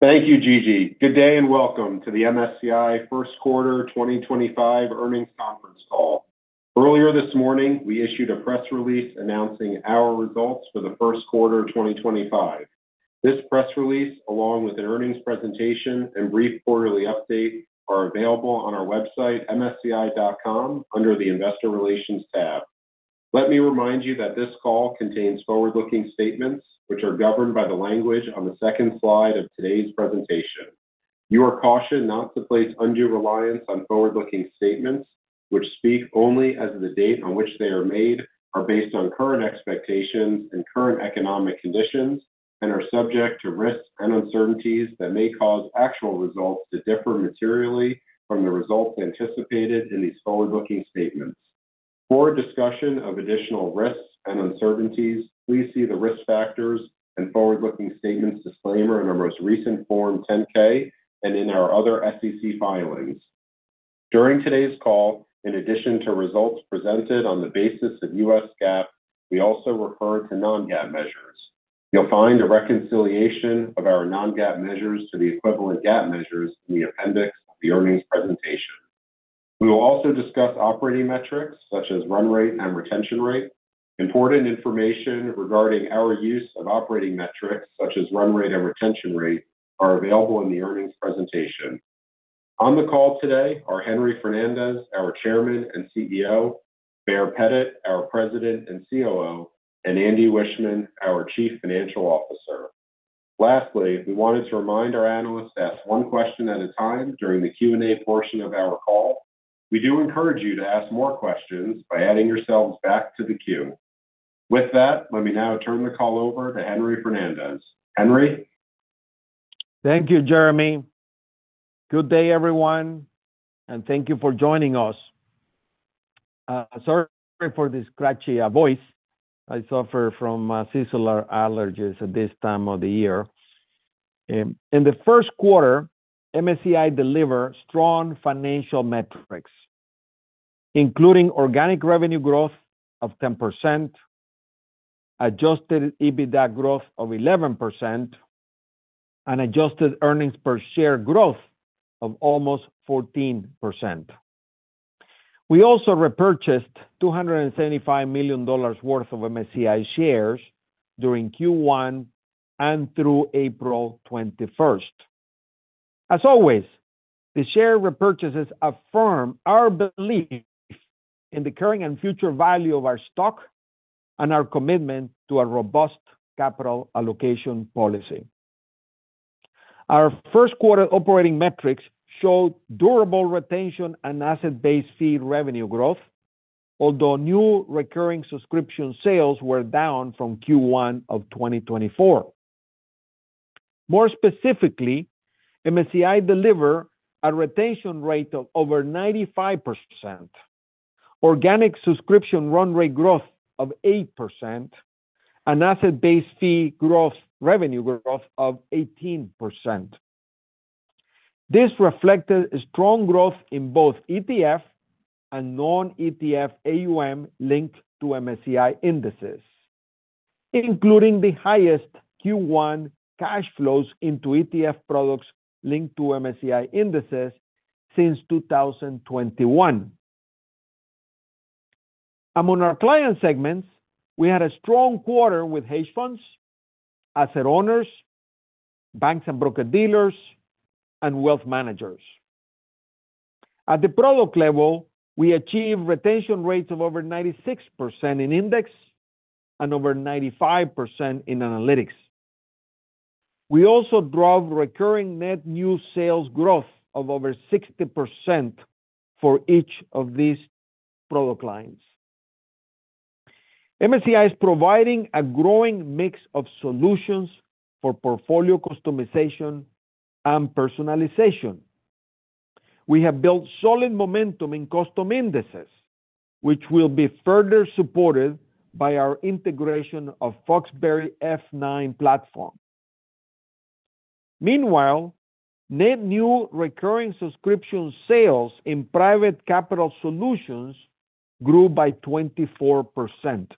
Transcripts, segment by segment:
Thank you, Gigi. Good day and welcome to the MSCI First Quarter 2025 earnings conference call. Earlier this morning, we issued a press release announcing our results for the first quarter of 2025. This press release, along with an earnings presentation and brief quarterly update, are available on our website, msci.com, under the Investor Relations tab. Let me remind you that this call contains forward-looking statements, which are governed by the language on the second slide of today's presentation. You are cautioned not to place undue reliance on forward-looking statements, which speak only as the date on which they are made, are based on current expectations and current economic conditions, and are subject to risks and uncertainties that may cause actual results to differ materially from the results anticipated in these forward-looking statements. For discussion of additional risks and uncertainties, please see the risk factors and forward-looking statements disclaimer in our most recent Form 10-K and in our other SEC filings. During today's call, in addition to results presented on the basis of U.S. GAAP, we also refer to non-GAAP measures. You'll find a reconciliation of our non-GAAP measures to the equivalent GAAP measures in the appendix of the earnings presentation. We will also discuss operating metrics such as run rate and retention rate. Important information regarding our use of operating metrics such as run rate and retention rate are available in the earnings presentation. On the call today are Henry Fernandez, our Chairman and CEO; Baer Pettit, our President and COO; and Andy Wiechmann, our Chief Financial Officer. Lastly, we wanted to remind our analysts to ask one question at a time during the Q&A portion of our call. We do encourage you to ask more questions by adding yourselves back to the queue. With that, let me now turn the call over to Henry Fernandez. Henry? Thank you, Jeremy. Good day, everyone, and thank you for joining us. Sorry for the scratchy voice. I suffer from a seasonal allergy at this time of the year. In the first quarter, MSCI delivered strong financial metrics, including organic revenue growth of 10%, adjusted EBITDA growth of 11%, and adjusted earnings per share growth of almost 14%. We also repurchased $275 million worth of MSCI shares during Q1 and through April 21. As always, the share repurchases affirm our belief in the current and future value of our stock and our commitment to a robust capital allocation policy. Our first quarter operating metrics showed durable retention and asset-based fee revenue growth, although new recurring subscription sales were down from Q1 of 2024. More specifically, MSCI delivered a retention rate of over 95%, organic subscription run rate growth of 8%, and asset-based fee revenue growth of 18%. This reflected strong growth in both ETF and non-ETF AUM linked to MSCI indices, including the highest Q1 cash flows into ETF products linked to MSCI indices since 2021. Among our client segments, we had a strong quarter with hedge funds, asset owners, banks and broker dealers, and wealth managers. At the product level, we achieved retention rates of over 96% in index and over 95% in analytics. We also drove recurring net new sales growth of over 60% for each of these product lines. MSCI is providing a growing mix of solutions for portfolio customization and personalization. We have built solid momentum in custom indices, which will be further supported by our integration of the Foxberry F9 platform. Meanwhile, net new recurring subscription sales in private capital solutions grew by 24%.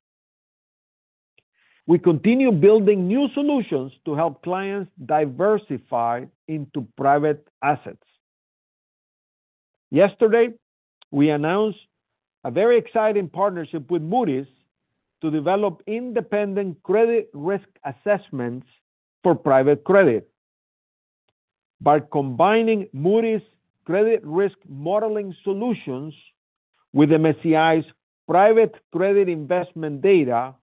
We continue building new solutions to help clients diversify into private assets. Yesterday, we announced a very exciting partnership with Moody's to develop independent credit risk assessments for private credit. By combining Moody's credit risk modeling solutions with MSCI's private credit investment data,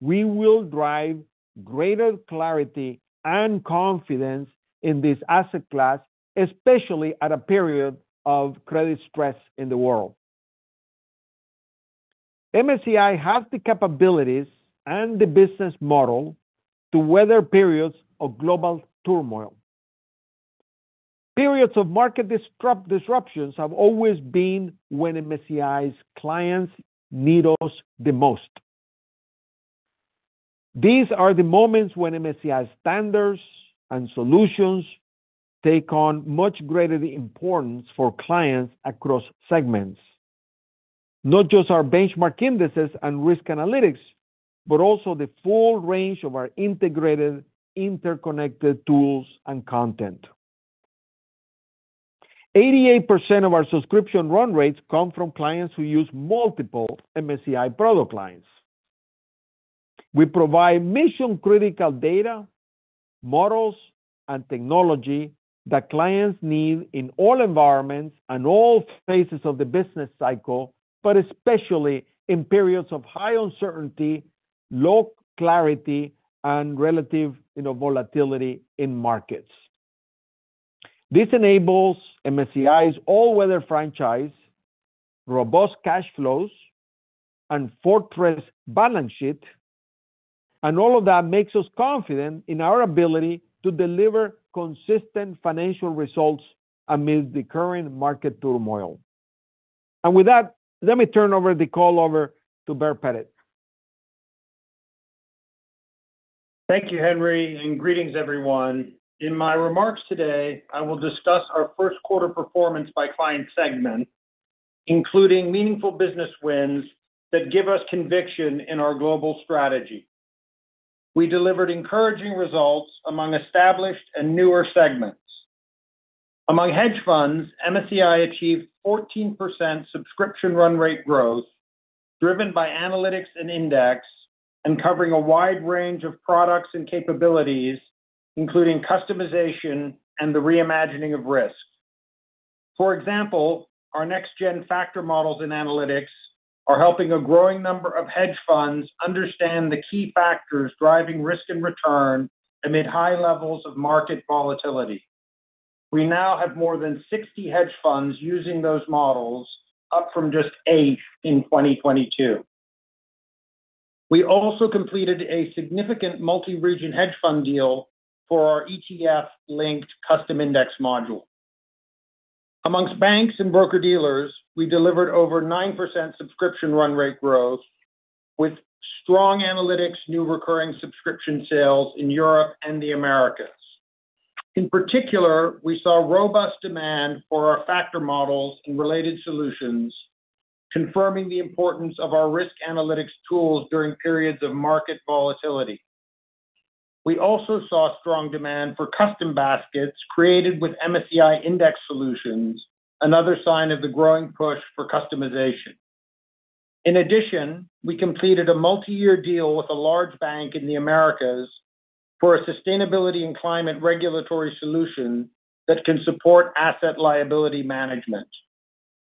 we will drive greater clarity and confidence in this asset class, especially at a period of credit stress in the world. MSCI has the capabilities and the business model to weather periods of global turmoil. Periods of market disruptions have always been when MSCI's clients need us the most. These are the moments when MSCI standards and solutions take on much greater importance for clients across segments, not just our benchmark indices and risk analytics, but also the full range of our integrated interconnected tools and content. 88% of our subscription run rates come from clients who use multiple MSCI product lines. We provide mission-critical data, models, and technology that clients need in all environments and all phases of the business cycle, especially in periods of high uncertainty, low clarity, and relative volatility in markets. This enables MSCI's all-weather franchise, robust cash flows, and fortress balance sheet, and all of that makes us confident in our ability to deliver consistent financial results amid the current market turmoil. With that, let me turn the call over to Baer Pettit. Thank you, Henry, and greetings, everyone. In my remarks today, I will discuss our first quarter performance by client segment, including meaningful business wins that give us conviction in our global strategy. We delivered encouraging results among established and newer segments. Among hedge funds, MSCI achieved 14% subscription run rate growth, driven by analytics and index, and covering a wide range of products and capabilities, including customization and the reimagining of risk. For example, our next-gen factor models and analytics are helping a growing number of hedge funds understand the key factors driving risk and return amid high levels of market volatility. We now have more than 60 hedge funds using those models, up from just eight in 2022. We also completed a significant multi-region hedge fund deal for our ETF-linked custom index module. Amongst banks and broker dealers, we delivered over 9% subscription run rate growth with strong Analytics, new recurring subscription sales in Europe and the Americas. In particular, we saw robust demand for our factor models and related solutions, confirming the importance of our risk Analytics tools during periods of market volatility. We also saw strong demand for custom baskets created with MSCI Index Solutions, another sign of the growing push for customization. In addition, we completed a multi-year deal with a large bank in the Americas for a Sustainability and Climate regulatory solution that can support asset liability management.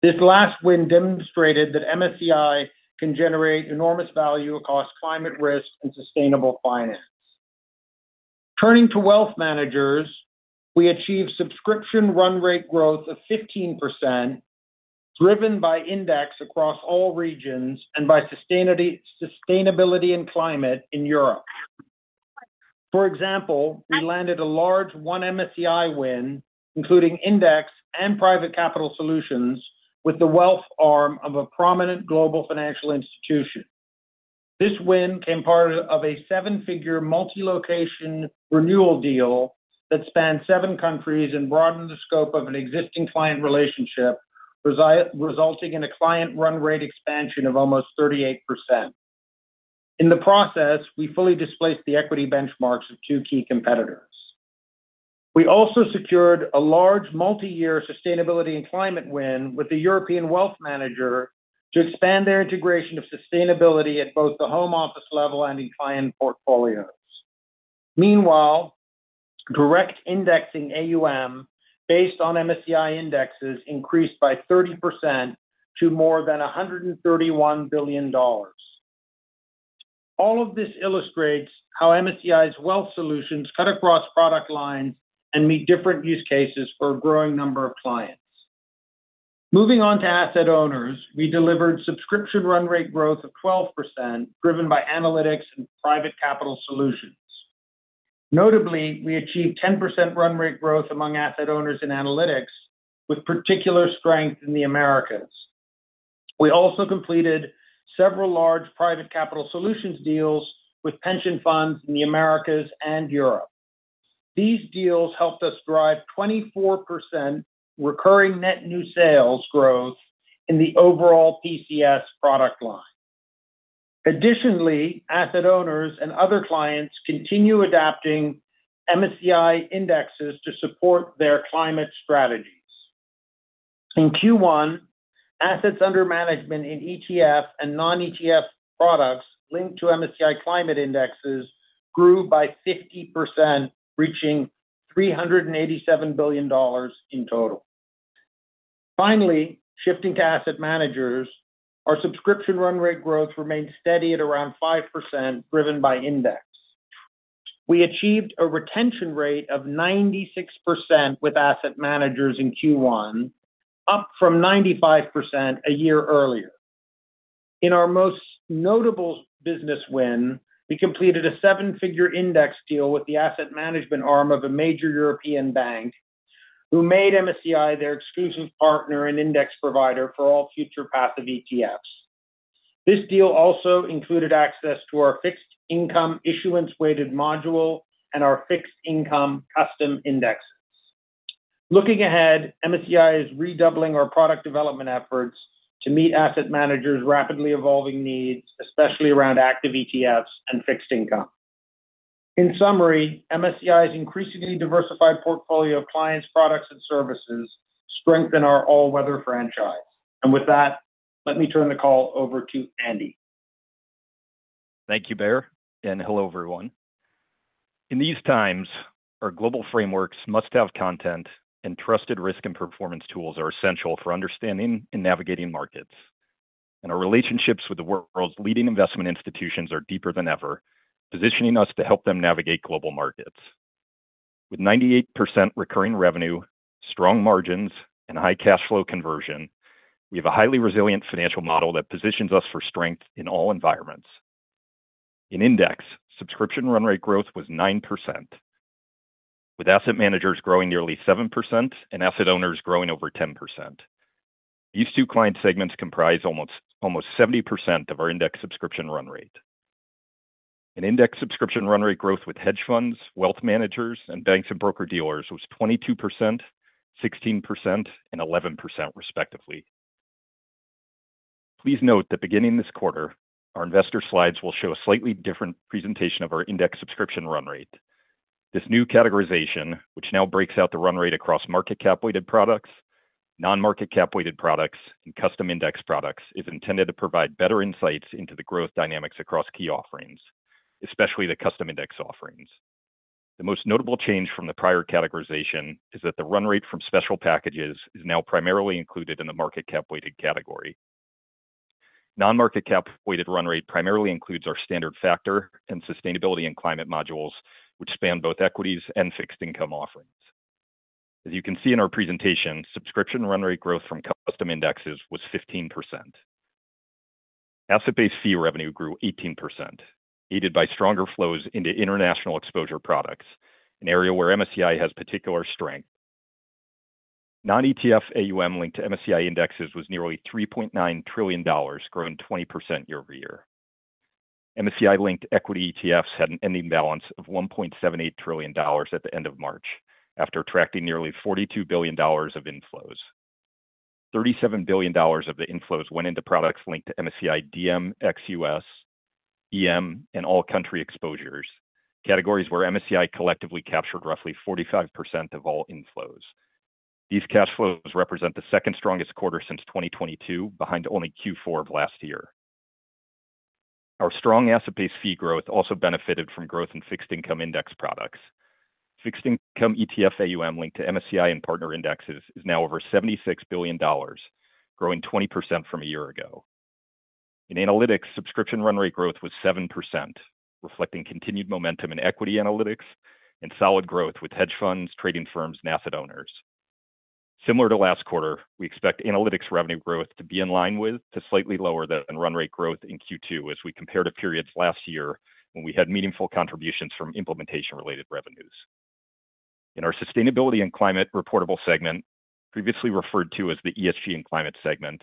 This last win demonstrated that MSCI can generate enormous value across climate risk and sustainable finance. Turning to wealth managers, we achieved subscription run rate growth of 15%, driven by Index across all regions and by Sustainability and Climate in Europe. For example, we landed a large one MSCI win, including index and private capital solutions, with the wealth arm of a prominent global financial institution. This win came part of a seven-figure multi-location renewal deal that spanned seven countries and broadened the scope of an existing client relationship, resulting in a client run rate expansion of almost 38%. In the process, we fully displaced the equity benchmarks of two key competitors. We also secured a large multi-year sustainability and climate win with a European wealth manager to expand their integration of sustainability at both the home office level and in client portfolios. Meanwhile, direct indexing AUM based on MSCI indexes increased by 30% to more than $131 billion. All of this illustrates how MSCI's wealth solutions cut across product lines and meet different use cases for a growing number of clients. Moving on to asset owners, we delivered subscription run rate growth of 12%, driven by Analytics and Private Capital Solutions. Notably, we achieved 10% run rate growth among asset owners and Analytics, with particular strength in the Americas. We also completed several large Private Capital Solutions deals with pension funds in the Americas and Europe. These deals helped us drive 24% recurring net new sales growth in the overall PCS product line. Additionally, asset owners and other clients continue adapting MSCI indexes to support their climate strategies. In Q1, assets under management in ETF and non-ETF products linked to MSCI climate indexes grew by 50%, reaching $387 billion in total. Finally, shifting to asset managers, our subscription run rate growth remained steady at around 5%, driven by Index. We achieved a retention rate of 96% with asset managers in Q1, up from 95% a year earlier. In our most notable business win, we completed a seven-figure index deal with the asset management arm of a major European bank, who made MSCI their exclusive partner and index provider for all future passive ETFs. This deal also included access to our fixed income issuance-weighted module and our fixed income custom indexes. Looking ahead, MSCI is redoubling our product development efforts to meet asset managers' rapidly evolving needs, especially around active ETFs and fixed income. In summary, MSCI's increasingly diversified portfolio of clients, products, and services strengthen our all-weather franchise. With that, let me turn the call over to Andy. Thank you, Baer. Hello, everyone. In these times, our global frameworks, must-have content, and trusted risk and performance tools are essential for understanding and navigating markets. Our relationships with the world's leading investment institutions are deeper than ever, positioning us to help them navigate global markets. With 98% recurring revenue, strong margins, and high cash flow conversion, we have a highly resilient financial model that positions us for strength in all environments. In index, subscription run rate growth was 9%, with asset managers growing nearly 7% and asset owners growing over 10%. These two client segments comprise almost 70% of our index subscription run rate. In index, subscription run rate growth with hedge funds, wealth managers, and banks and broker dealers was 22%, 16%, and 11%, respectively. Please note that beginning this quarter, our investor slides will show a slightly different presentation of our index subscription run rate. This new categorization, which now breaks out the run rate across market cap-weighted products, non-market cap-weighted products, and custom index products, is intended to provide better insights into the growth dynamics across key offerings, especially the custom index offerings. The most notable change from the prior categorization is that the run rate from special packages is now primarily included in the market cap-weighted category. Non-market cap-weighted run rate primarily includes our standard factor and sustainability and climate modules, which span both equities and fixed income offerings. As you can see in our presentation, subscription run rate growth from custom indexes was 15%. Asset-based fee revenue grew 18%, aided by stronger flows into international exposure products, an area where MSCI has particular strength. Non-ETF AUM linked to MSCI indexes was nearly $3.9 trillion, growing 20% year-over-year. MSCI-linked equity ETFs had an ending balance of $1.78 trillion at the end of March after attracting nearly $42 billion of inflows. $37 billion of the inflows went into products linked to MSCI DM, XUS, EM, and all-country exposures, categories where MSCI collectively captured roughly 45% of all inflows. These cash flows represent the second-strongest quarter since 2022, behind only Q4 of last year. Our strong asset-based fee growth also benefited from growth in fixed income index products. Fixed income ETF AUM linked to MSCI and partner indexes is now over $76 billion, growing 20% from a year ago. In analytics, subscription run rate growth was 7%, reflecting continued momentum in equity analytics and solid growth with hedge funds, trading firms, and asset owners. Similar to last quarter, we expect Analytics revenue growth to be in line with, but slightly lower than run rate growth in Q2 as we compare to periods last year when we had meaningful contributions from implementation-related revenues. In our Sustainability and Climate reportable segment, previously referred to as the ESG and Climate segment,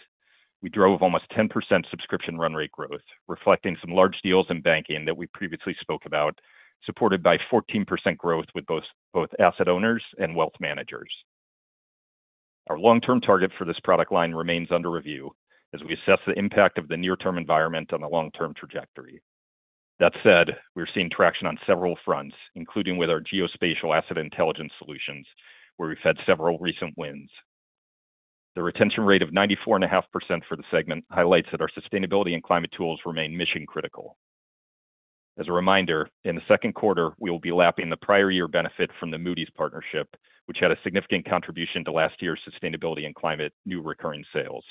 we drove almost 10% subscription run rate growth, reflecting some large deals in banking that we previously spoke about, supported by 14% growth with both asset owners and wealth managers. Our long-term target for this product line remains under review as we assess the impact of the near-term environment on the long-term trajectory. That said, we're seeing traction on several fronts, including with our Geospatial Asset Intelligence solutions, where we've had several recent wins. The retention rate of 94.5% for the segment highlights that our Sustainability and Climate tools remain mission-critical. As a reminder, in the second quarter, we will be lapping the prior year benefit from the Moody's partnership, which had a significant contribution to last year's sustainability and climate new recurring sales.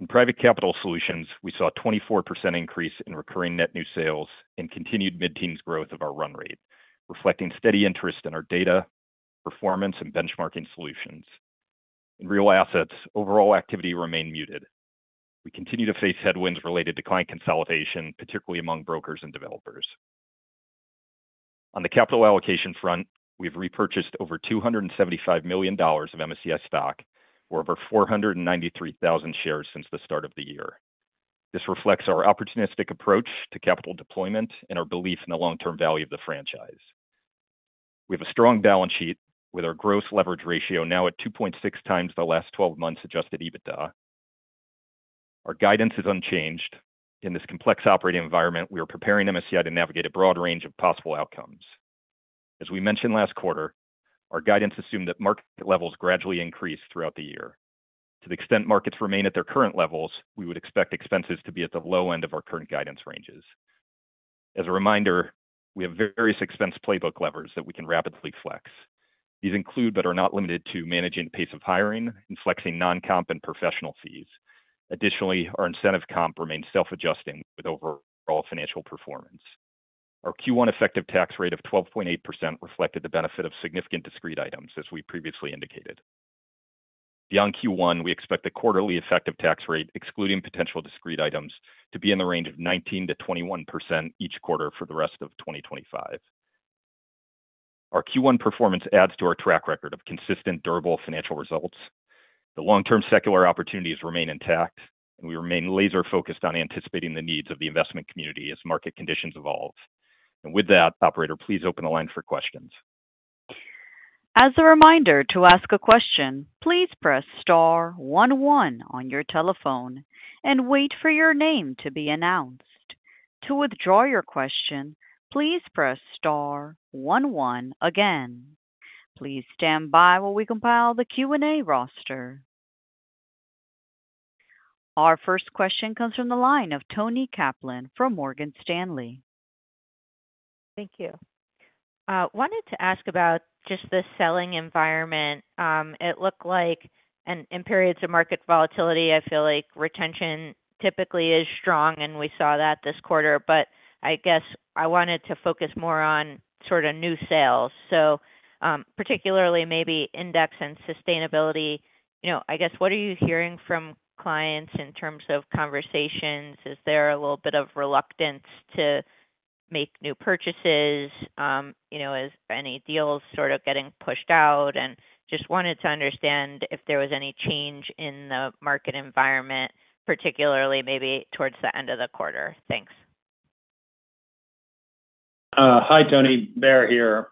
In private capital solutions, we saw a 24% increase in recurring net new sales and continued mid-teens growth of our run rate, reflecting steady interest in our data, performance, and benchmarking solutions. In real assets, overall activity remained muted. We continue to face headwinds related to client consolidation, particularly among brokers and developers. On the capital allocation front, we've repurchased over $275 million of MSCI stock, or over 493,000 shares since the start of the year. This reflects our opportunistic approach to capital deployment and our belief in the long-term value of the franchise. We have a strong balance sheet with our gross leverage ratio now at 2.6x the last 12 months' adjusted EBITDA. Our guidance is unchanged. In this complex operating environment, we are preparing MSCI to navigate a broad range of possible outcomes. As we mentioned last quarter, our guidance assumed that market levels gradually increase throughout the year. To the extent markets remain at their current levels, we would expect expenses to be at the low end of our current guidance ranges. As a reminder, we have various expense playbook levers that we can rapidly flex. These include, but are not limited to, managing the pace of hiring and flexing non-comp and professional fees. Additionally, our incentive comp remains self-adjusting with overall financial performance. Our Q1 effective tax rate of 12.8% reflected the benefit of significant discrete items, as we previously indicated. Beyond Q1, we expect the quarterly effective tax rate, excluding potential discrete items, to be in the range of 19%-21% each quarter for the rest of 2025. Our Q1 performance adds to our track record of consistent, durable financial results. The long-term secular opportunities remain intact, and we remain laser-focused on anticipating the needs of the investment community as market conditions evolve. With that, operator, please open the line for questions. As a reminder to ask a question, please press star 11 on your telephone and wait for your name to be announced. To withdraw your question, please press star 11 again. Please stand by while we compile the Q&A roster. Our first question comes from the line of Toni Kaplan from Morgan Stanley. Thank you. I wanted to ask about just the selling environment. It looked like in periods of market volatility, I feel like retention typically is strong, and we saw that this quarter. I guess I wanted to focus more on sort of new sales. Particularly maybe index and sustainability. I guess, what are you hearing from clients in terms of conversations? Is there a little bit of reluctance to make new purchases? Are any deals sort of getting pushed out? I just wanted to understand if there was any change in the market environment, particularly maybe towards the end of the quarter. Thanks. Hi, Toni. Baer here.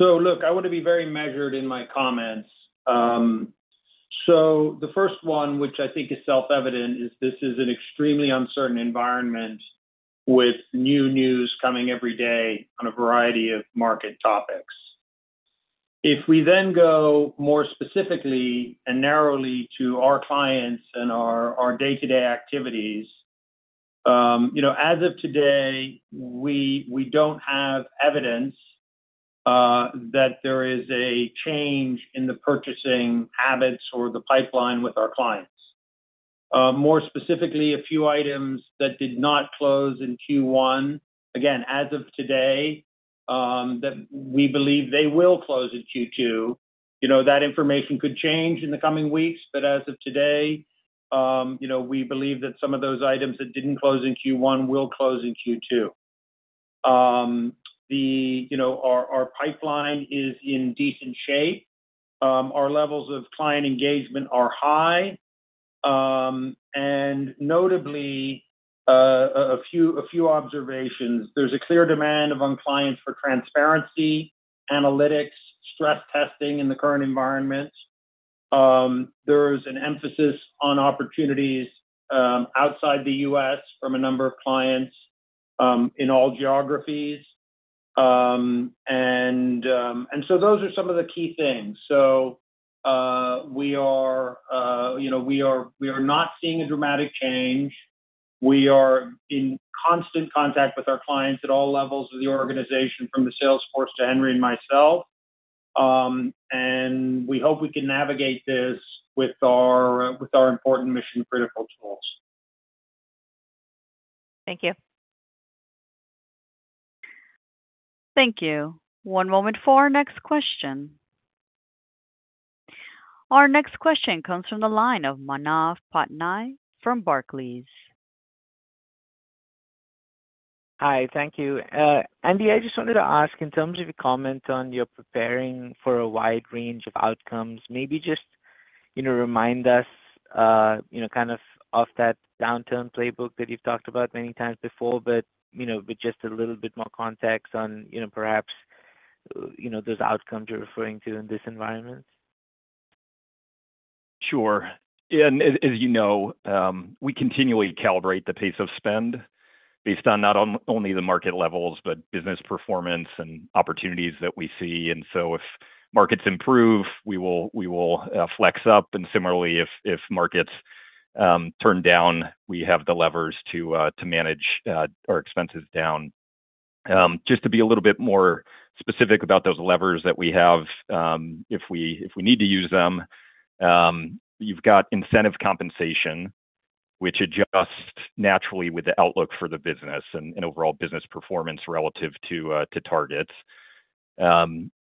I want to be very measured in my comments. The first one, which I think is self-evident, is this is an extremely uncertain environment with new news coming every day on a variety of market topics. If we then go more specifically and narrowly to our clients and our day-to-day activities, as of today, we do not have evidence that there is a change in the purchasing habits or the pipeline with our clients. More specifically, a few items that did not close in Q1, again, as of today, we believe they will close in Q2. That information could change in the coming weeks, but as of today, we believe that some of those items that did not close in Q1 will close in Q2. Our pipeline is in decent shape. Our levels of client engagement are high. Notably, a few observations. is a clear demand among clients for transparency, analytics, stress testing in the current environment. There is an emphasis on opportunities outside the U.S. from a number of clients in all geographies. Those are some of the key things. We are not seeing a dramatic change. We are in constant contact with our clients at all levels of the organization, from the sales force to Henry and myself. We hope we can navigate this with our important mission-critical tools. Thank you. Thank you. One moment for our next question. Our next question comes from the line of Manav Patnaik from Barclays. Hi. Thank you. Andy, I just wanted to ask, in terms of your comment on your preparing for a wide range of outcomes, maybe just remind us kind of of that downturn playbook that you've talked about many times before, but with just a little bit more context on perhaps those outcomes you're referring to in this environment. Sure. As you know, we continually calibrate the pace of spend based on not only the market levels, but business performance and opportunities that we see. If markets improve, we will flex up. Similarly, if markets turn down, we have the levers to manage our expenses down. Just to be a little bit more specific about those levers that we have, if we need to use them, you have got incentive compensation, which adjusts naturally with the outlook for the business and overall business performance relative to targets.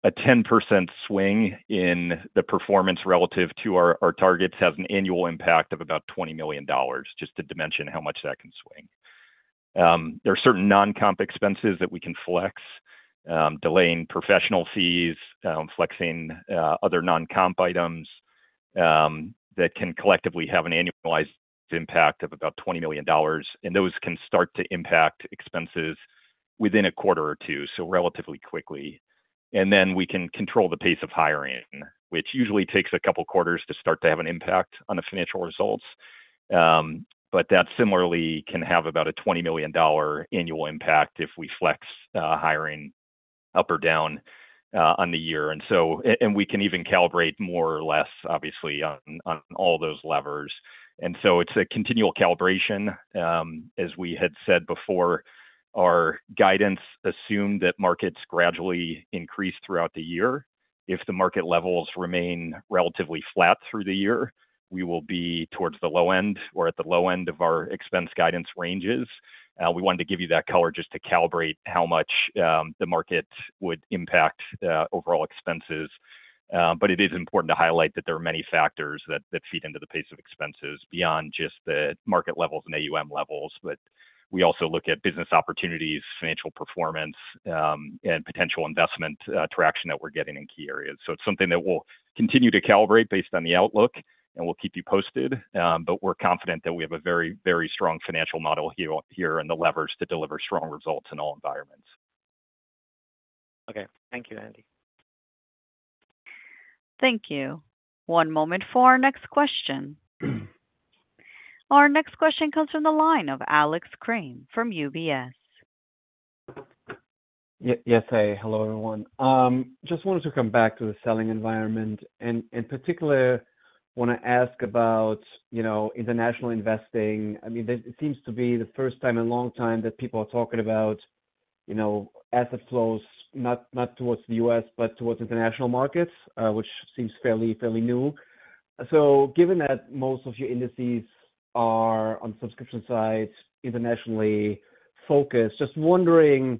A 10% swing in the performance relative to our targets has an annual impact of about $20 million, just to dimension how much that can swing. There are certain non-comp expenses that we can flex, delaying professional fees, flexing other non-comp items that can collectively have an annualized impact of about $20 million. Those can start to impact expenses within a quarter or two, so relatively quickly. We can control the pace of hiring, which usually takes a couple of quarters to start to have an impact on the financial results. That similarly can have about a $20 million annual impact if we flex hiring up or down on the year. We can even calibrate more or less, obviously, on all those levers. It is a continual calibration. As we had said before, our guidance assumed that markets gradually increase throughout the year. If the market levels remain relatively flat through the year, we will be towards the low end or at the low end of our expense guidance ranges. We wanted to give you that color just to calibrate how much the market would impact overall expenses. It is important to highlight that there are many factors that feed into the pace of expenses beyond just the market levels and AUM levels. We also look at business opportunities, financial performance, and potential investment traction that we're getting in key areas. It is something that we'll continue to calibrate based on the outlook, and we'll keep you posted. We are confident that we have a very, very strong financial model here and the levers to deliver strong results in all environments. Okay. Thank you, Andy. Thank you. One moment for our next question. Our next question comes from the line of Alex Kramm from UBS. Yes. Hi, hello, everyone. Just wanted to come back to the selling environment. In particular, I want to ask about international investing. I mean, it seems to be the first time in a long time that people are talking about asset flows, not towards the U.S., but towards international markets, which seems fairly new. Given that most of your indices are on the subscription side internationally focused, just wondering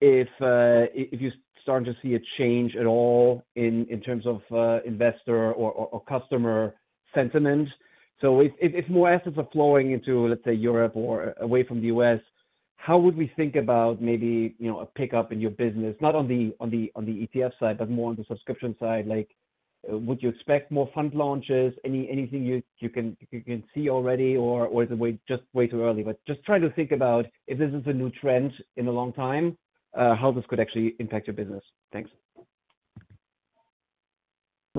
if you're starting to see a change at all in terms of investor or customer sentiment. If more assets are flowing into, let's say, Europe or away from the U.S., how would we think about maybe a pickup in your business, not on the ETF side, but more on the subscription side? Would you expect more fund launches? Anything you can see already, or is it just way too early? Just trying to think about if this is a new trend in a long time, how this could actually impact your business. Thanks.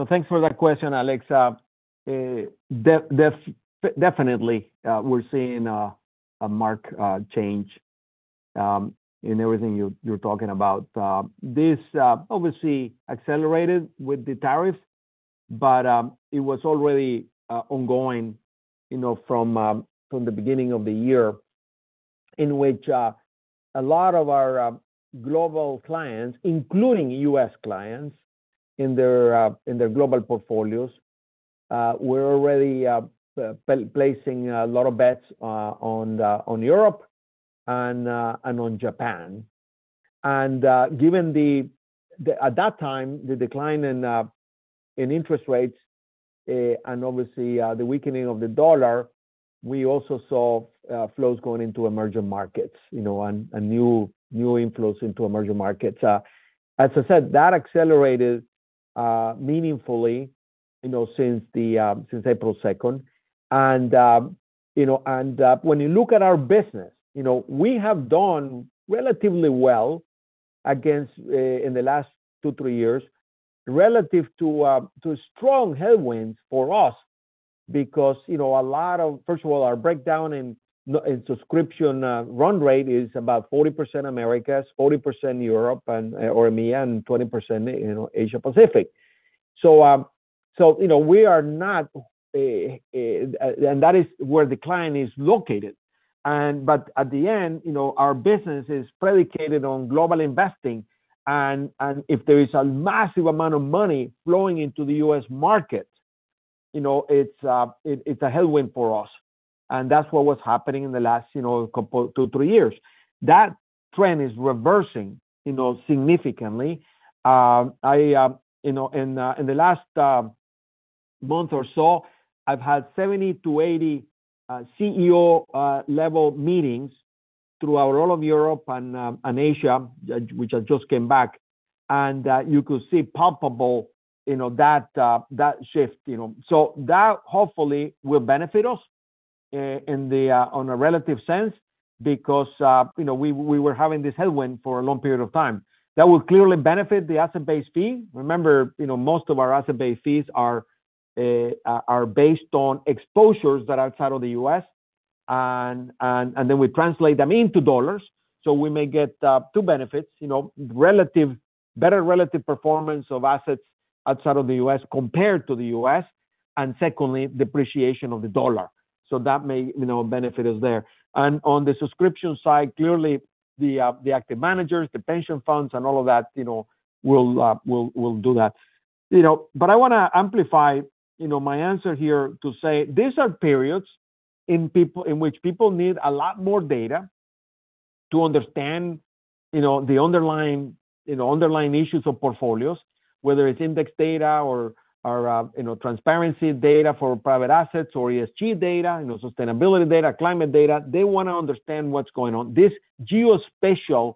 Thanks for that question, Alex. Definitely, we're seeing a marked change in everything you're talking about. This obviously accelerated with the tariffs, but it was already ongoing from the beginning of the year, in which a lot of our global clients, including U.S. clients in their global portfolios, were already placing a lot of bets on Europe and on Japan. Given at that time the decline in interest rates and obviously the weakening of the dollar, we also saw flows going into emerging markets and new inflows into emerging markets. As I said, that accelerated meaningfully since April 2. When you look at our business, we have done relatively well in the last two to three years relative to strong headwinds for us because a lot of, first of all, our breakdown in subscription run rate is about 40% Americas, 40% Europe, and 20% Asia-Pacific. We are not, and that is where the client is located. At the end, our business is predicated on global investing. If there is a massive amount of money flowing into the U.S. market, it's a headwind for us. That is what was happening in the last two, three years. That trend is reversing significantly. In the last month or so, I've had 70-80 CEO-level meetings throughout all of Europe and Asia, which I just came back. You could see palpable that shift. That hopefully will benefit us in a relative sense because we were having this headwind for a long period of time. That will clearly benefit the asset-based fee. Remember, most of our asset-based fees are based on exposures that are outside of the U.S., and then we translate them into dollars. We may get two benefits: better relative performance of assets outside of the U.S. compared to the U.S., and secondly, depreciation of the dollar. That may benefit us there. On the subscription side, clearly, the active managers, the pension funds, and all of that will do that. I want to amplify my answer here to say these are periods in which people need a lot more data to understand the underlying issues of portfolios, whether it is index data or transparency data for private assets or ESG data, sustainability data, climate data. They want to understand what is going on. This geospatial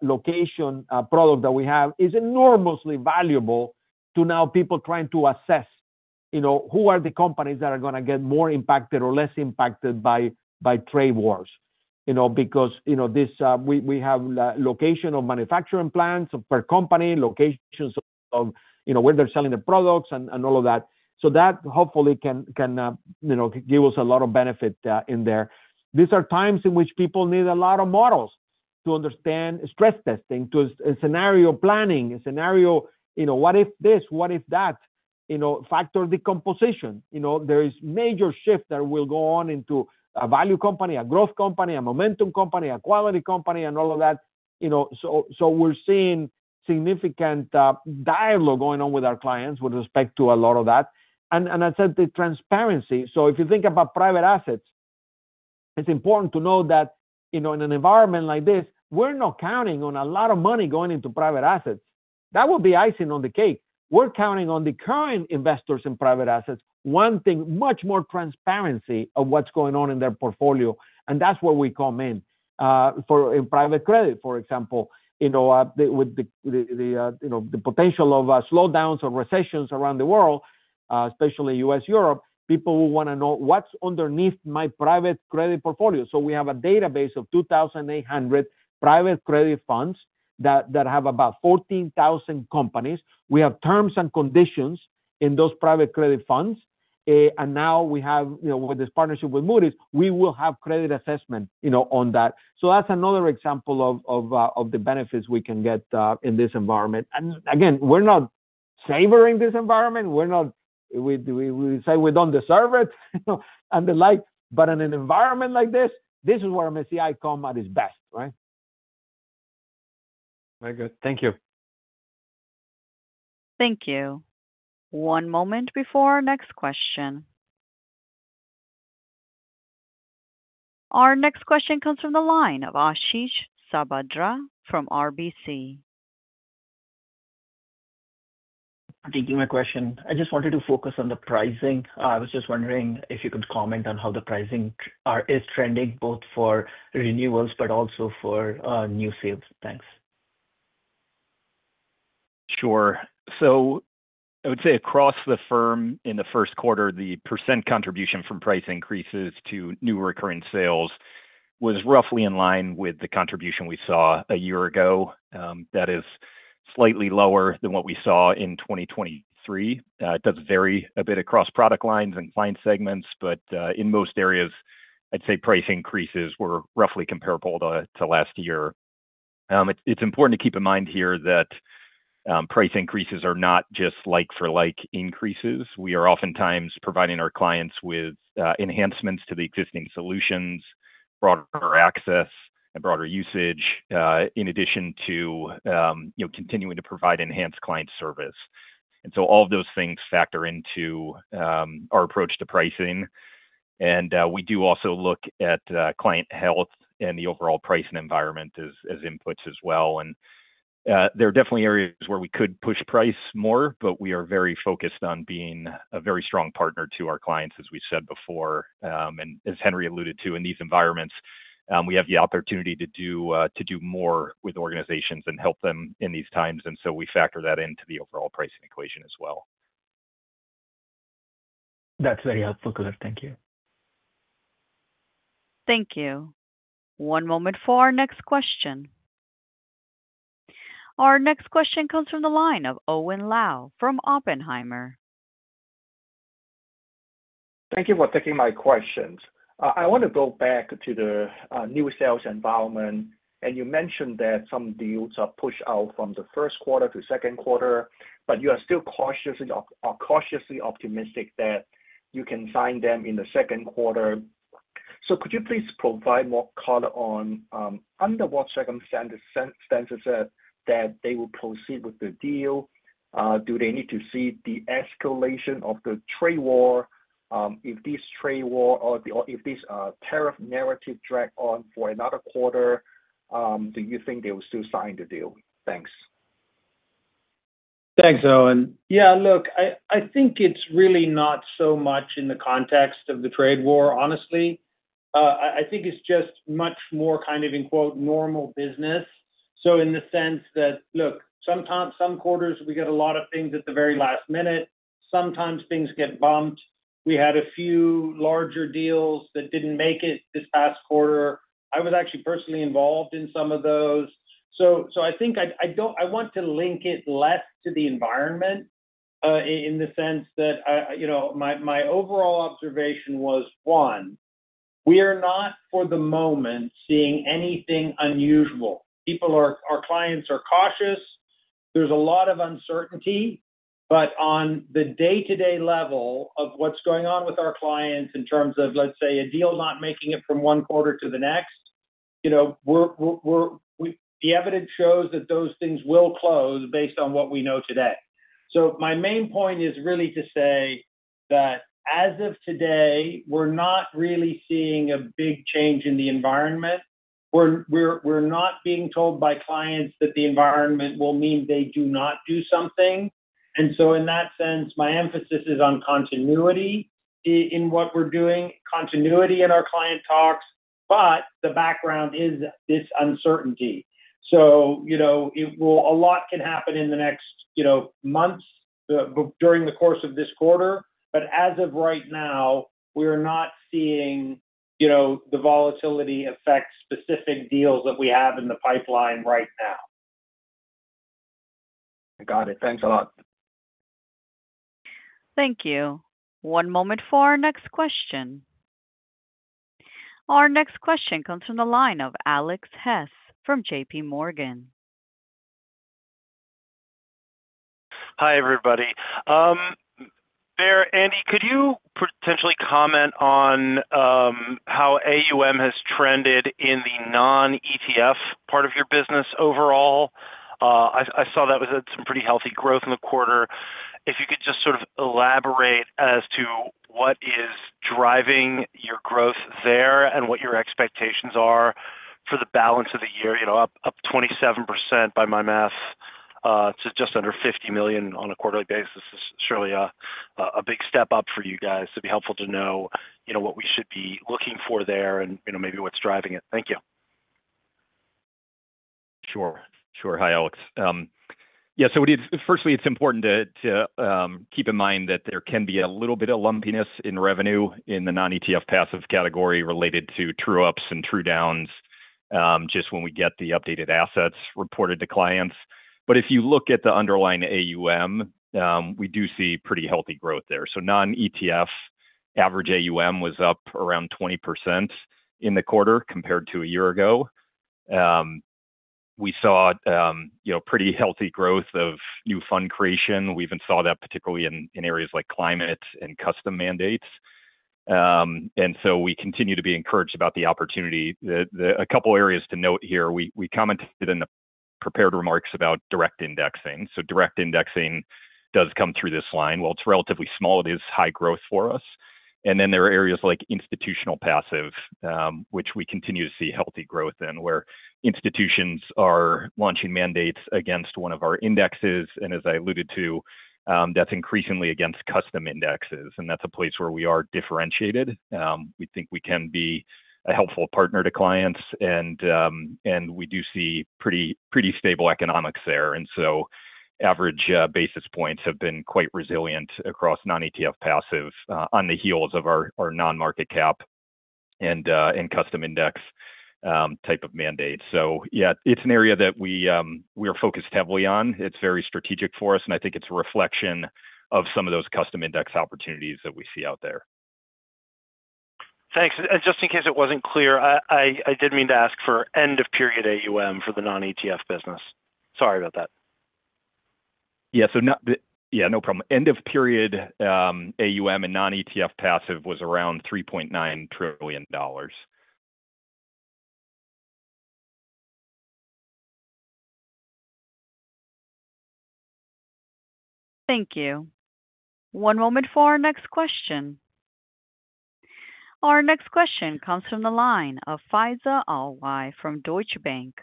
location product that we have is enormously valuable to now people trying to assess who are the companies that are going to get more impacted or less impacted by trade wars because we have location of manufacturing plants per company, locations of where they're selling their products and all of that. That hopefully can give us a lot of benefit in there. These are times in which people need a lot of models to understand stress testing, to scenario planning, scenario, what if this, what if that, factor decomposition. There is major shift that will go on into a value company, a growth company, a momentum company, a quality company, and all of that. We're seeing significant dialogue going on with our clients with respect to a lot of that. I said the transparency. If you think about private assets, it's important to know that in an environment like this, we're not counting on a lot of money going into private assets. That would be icing on the cake. We're counting on the current investors in private assets, wanting much more transparency of what's going on in their portfolio. That's where we come in. For private credit, for example, with the potential of slowdowns or recessions around the world, especially the U.S., Europe, people will want to know what's underneath my private credit portfolio. We have a database of 2,800 private credit funds that have about 14,000 companies. We have terms and conditions in those private credit funds. Now we have, with this partnership with Moody's, we will have credit assessment on that. That's another example of the benefits we can get in this environment. Again, we're not savoring this environment. We say we don't deserve it and the like. In an environment like this, this is where MSCI comes at its best, right? Very good. Thank you. Thank you. One moment before our next question. Our next question comes from the line of Ashish Sabadra from RBC. Thank you, my question. I just wanted to focus on the pricing. I was just wondering if you could comment on how the pricing is trending both for renewals, but also for new sales. Thanks. Sure. I would say across the firm, in the first quarter, the % contribution from price increases to new recurring sales was roughly in line with the contribution we saw a year ago. That is slightly lower than what we saw in 2023. It does vary a bit across product lines and client segments, but in most areas, I'd say price increases were roughly comparable to last year. It's important to keep in mind here that price increases are not just like-for-like increases. We are oftentimes providing our clients with enhancements to the existing solutions, broader access, and broader usage, in addition to continuing to provide enhanced client service. All of those things factor into our approach to pricing. We do also look at client health and the overall pricing environment as inputs as well. There are definitely areas where we could push price more, but we are very focused on being a very strong partner to our clients, as we said before. As Henry alluded to, in these environments, we have the opportunity to do more with organizations and help them in these times. We factor that into the overall pricing equation as well. That's very helpful, Cliff. Thank you. Thank you. One moment for our next question. Our next question comes from the line of Owen Lau from Oppenheimer. Thank you for taking my questions. I want to go back to the new sales environment. You mentioned that some deals are pushed out from the first quarter to second quarter, but you are still cautiously optimistic that you can sign them in the second quarter. Could you please provide more color on under what circumstances that they will proceed with the deal? Do they need to see the escalation of the trade war? If this trade war or if this tariff narrative drags on for another quarter, do you think they will still sign the deal? Thanks. Thanks, Owen. Yeah, look, I think it's really not so much in the context of the trade war, honestly. I think it's just much more kind of, in quote, normal business. In the sense that, look, some quarters, we get a lot of things at the very last minute. Sometimes things get bumped. We had a few larger deals that didn't make it this past quarter. I was actually personally involved in some of those. I think I want to link it less to the environment in the sense that my overall observation was, one, we are not, for the moment, seeing anything unusual. Our clients are cautious. There's a lot of uncertainty. On the day-to-day level of what's going on with our clients in terms of, let's say, a deal not making it from one quarter to the next, the evidence shows that those things will close based on what we know today. My main point is really to say that as of today, we're not really seeing a big change in the environment. We're not being told by clients that the environment will mean they do not do something. In that sense, my emphasis is on continuity in what we're doing, continuity in our client talks, but the background is this uncertainty. A lot can happen in the next months during the course of this quarter. As of right now, we are not seeing the volatility affect specific deals that we have in the pipeline right now. I got it. Thanks a lot. Thank you. One moment for our next question. Our next question comes from the line of Alex Hess from JPMorgan. Hi, everybody. Andy, could you potentially comment on how AUM has trended in the non-ETF part of your business overall? I saw that was some pretty healthy growth in the quarter. If you could just sort of elaborate as to what is driving your growth there and what your expectations are for the balance of the year. Up 27% by my math to just under $50 million on a quarterly basis is surely a big step up for you guys. It'd be helpful to know what we should be looking for there and maybe what's driving it. Thank you. Sure. Sure. Hi, Alex. Yeah. Firstly, it's important to keep in mind that there can be a little bit of lumpiness in revenue in the non-ETF passive category related to true-ups and true-downs just when we get the updated assets reported to clients. If you look at the underlying AUM, we do see pretty healthy growth there. Non-ETF average AUM was up around 20% in the quarter compared to a year ago. We saw pretty healthy growth of new fund creation. We even saw that particularly in areas like climate and custom mandates. We continue to be encouraged about the opportunity. A couple of areas to note here. We commented in the prepared remarks about direct indexing. Direct indexing does come through this line. While it's relatively small, it is high growth for us. There are areas like institutional passive, which we continue to see healthy growth in, where institutions are launching mandates against one of our indexes. As I alluded to, that is increasingly against custom indexes. That is a place where we are differentiated. We think we can be a helpful partner to clients. We do see pretty stable economics there. Average basis points have been quite resilient across non-ETF passive on the heels of our non-market cap and custom index type of mandate. It is an area that we are focused heavily on. It is very strategic for us. I think it is a reflection of some of those custom index opportunities that we see out there. Thanks. Just in case it wasn't clear, I did mean to ask for end-of-period AUM for the non-ETF business. Sorry about that. Yeah. Yeah, no problem. End-of-period AUM and non-ETF passive was around $3.9 trillion. Thank you. One moment for our next question. Our next question comes from the line of Faiza Alwy from Deutsche Bank.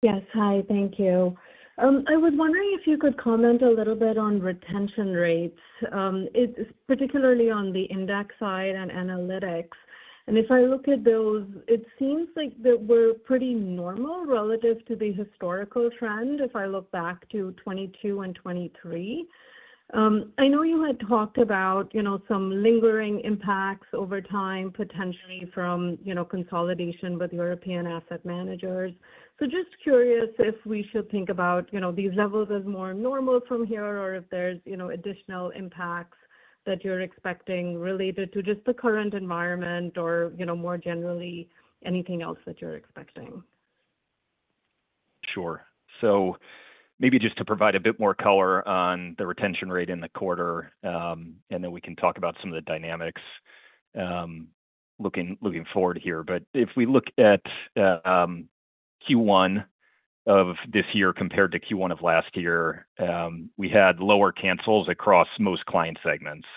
Yes. Hi. Thank you. I was wondering if you could comment a little bit on retention rates, particularly on the index side and analytics. If I look at those, it seems like they were pretty normal relative to the historical trend if I look back to 2022 and 2023. I know you had talked about some lingering impacts over time, potentially from consolidation with European asset managers. Just curious if we should think about these levels as more normal from here or if there are additional impacts that you are expecting related to just the current environment or more generally anything else that you are expecting. Sure. Maybe just to provide a bit more color on the retention rate in the quarter, and then we can talk about some of the dynamics looking forward here. If we look at Q1 of this year compared to Q1 of last year, we had lower cancels across most client segments.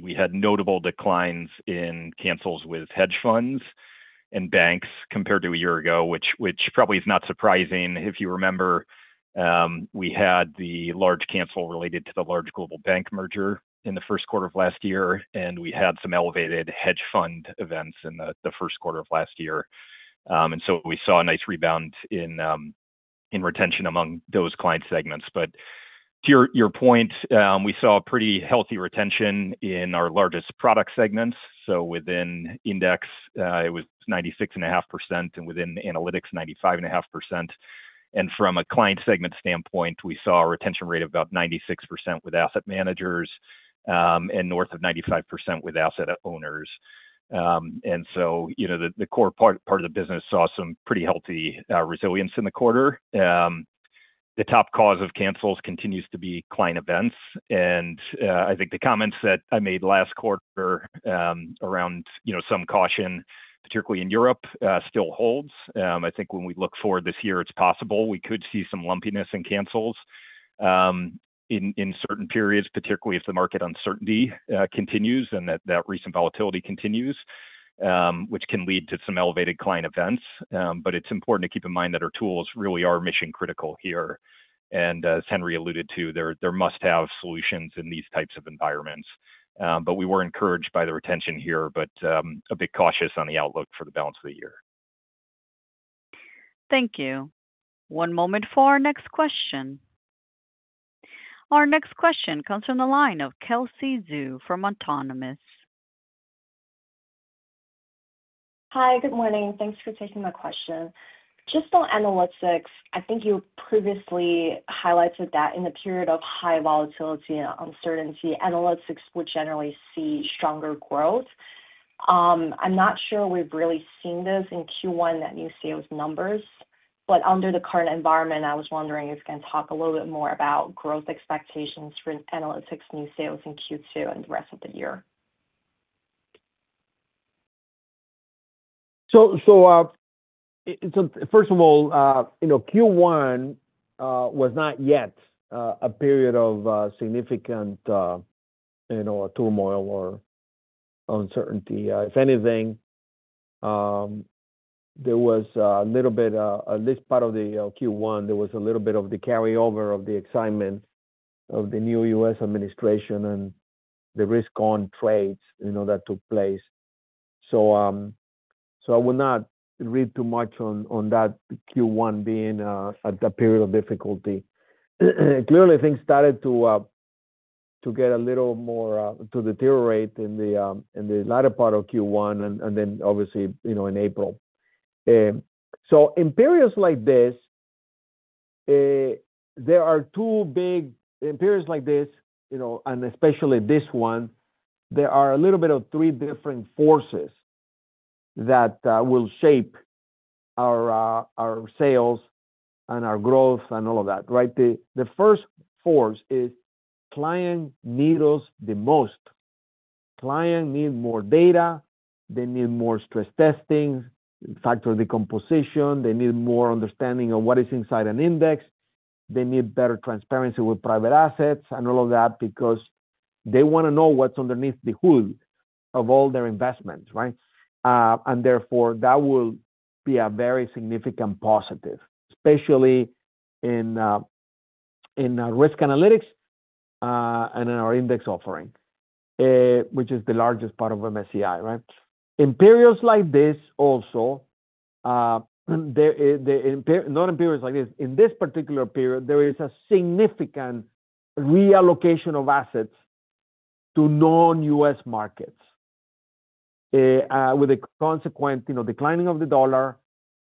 We had notable declines in cancels with hedge funds and banks compared to a year ago, which probably is not surprising. If you remember, we had the large cancel related to the large global bank merger in the first quarter of last year. We had some elevated hedge fund events in the first quarter of last year. We saw a nice rebound in retention among those client segments. To your point, we saw a pretty healthy retention in our largest product segments. Within index, it was 96.5%, and within analytics, 95.5%. From a client segment standpoint, we saw a retention rate of about 96% with asset managers and north of 95% with asset owners. The core part of the business saw some pretty healthy resilience in the quarter. The top cause of cancels continues to be client events. I think the comments that I made last quarter around some caution, particularly in Europe, still holds. I think when we look forward this year, it's possible we could see some lumpiness in cancels in certain periods, particularly if the market uncertainty continues and that recent volatility continues, which can lead to some elevated client events. It's important to keep in mind that our tools really are mission-critical here. As Henry alluded to, there must have solutions in these types of environments. We were encouraged by the retention here, but a bit cautious on the outlook for the balance of the year. Thank you. One moment for our next question. Our next question comes from the line of Kelsey Zhu from Autonomous. Hi. Good morning. Thanks for taking my question. Just on analytics, I think you previously highlighted that in a period of high volatility and uncertainty, analytics would generally see stronger growth. I'm not sure we've really seen this in Q1, that new sales numbers. Under the current environment, I was wondering if you can talk a little bit more about growth expectations for analytics new sales in Q2 and the rest of the year. First of all, Q1 was not yet a period of significant turmoil or uncertainty. If anything, there was a little bit, at least part of Q1, there was a little bit of the carryover of the excitement of the new U.S. administration and the risk-on trades that took place. I would not read too much on that Q1 being a period of difficulty. Clearly, things started to get a little more to deteriorate in the latter part of Q1 and then, obviously, in April. In periods like this, there are two big—in periods like this, and especially this one, there are a little bit of three different forces that will shape our sales and our growth and all of that, right? The first force is client needles the most. Client need more data. They need more stress testing, factor decomposition. They need more understanding of what is inside an index. They need better transparency with private assets and all of that because they want to know what's underneath the hood of all their investments, right? Therefore, that will be a very significant positive, especially in risk analytics and in our index offering, which is the largest part of MSCI, right? In periods like this also, not in periods like this. In this particular period, there is a significant reallocation of assets to non-U.S. markets with a consequent declining of the dollar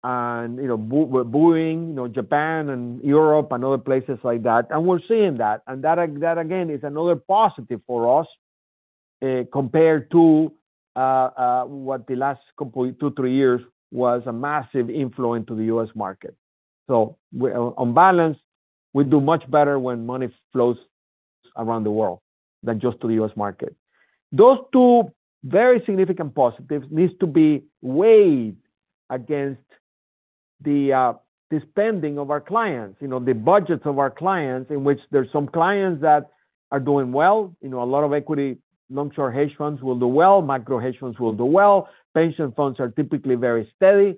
and booing Japan and Europe and other places like that. We're seeing that. That, again, is another positive for us compared to what the last two, three years was a massive influence to the U.S. market. On balance, we do much better when money flows around the world than just to the U.S. market. Those two very significant positives need to be weighed against the spending of our clients, the budgets of our clients, in which there are some clients that are doing well. A lot of equity, long-short hedge funds will do well. Macro hedge funds will do well. Pension funds are typically very steady.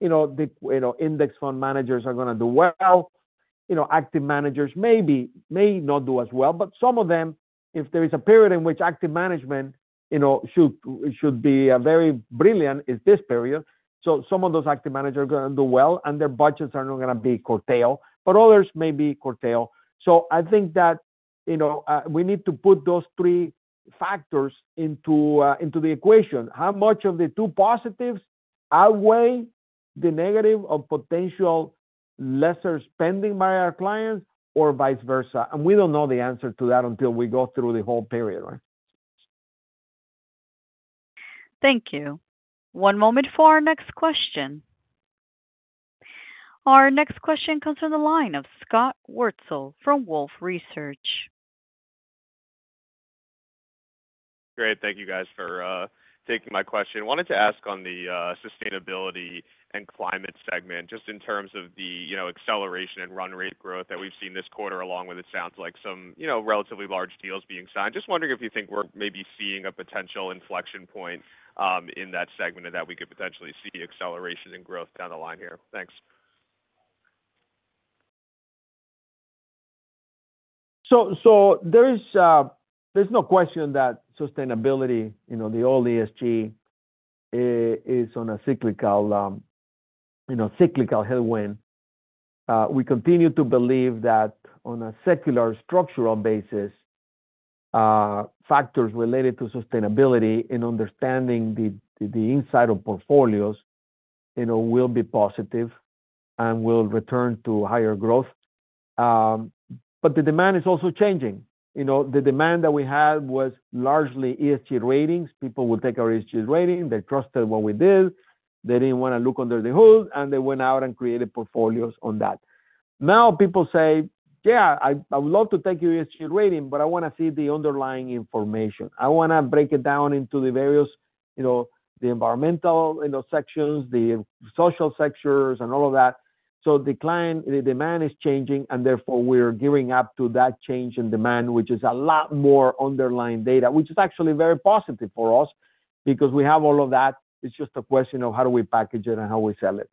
Index fund managers are going to do well. Active managers may not do as well. If there is a period in which active management should be very brilliant, it is this period. Some of those active managers are going to do well, and their budgets are not going to be curtailed. Others may be curtailed. I think that we need to put those three factors into the equation. How much of the two positives outweigh the negative of potential lesser spending by our clients or vice versa? We do not know the answer to that until we go through the whole period, right? Thank you. One moment for our next question. Our next question comes from the line of Scott Wurtzel from Wolfe Research. Great. Thank you, guys, for taking my question. Wanted to ask on the sustainability and climate segment, just in terms of the acceleration in run rate growth that we've seen this quarter, along with, it sounds like, some relatively large deals being signed. Just wondering if you think we're maybe seeing a potential inflection point in that segment, that we could potentially see acceleration in growth down the line here. Thanks. There is no question that sustainability, the old ESG, is on a cyclical headwind. We continue to believe that on a secular structural basis, factors related to sustainability and understanding the inside of portfolios will be positive and will return to higher growth. The demand is also changing. The demand that we had was largely ESG ratings. People would take our ESG rating. They trusted what we did. They did not want to look under the hood. They went out and created portfolios on that. Now people say, "Yeah, I would love to take your ESG rating, but I want to see the underlying information. I want to break it down into the various environmental sections, the social sectors, and all of that." The demand is changing. Therefore, we are gearing up to that change in demand, which is a lot more underlying data, which is actually very positive for us because we have all of that. It's just a question of how do we package it and how we sell it.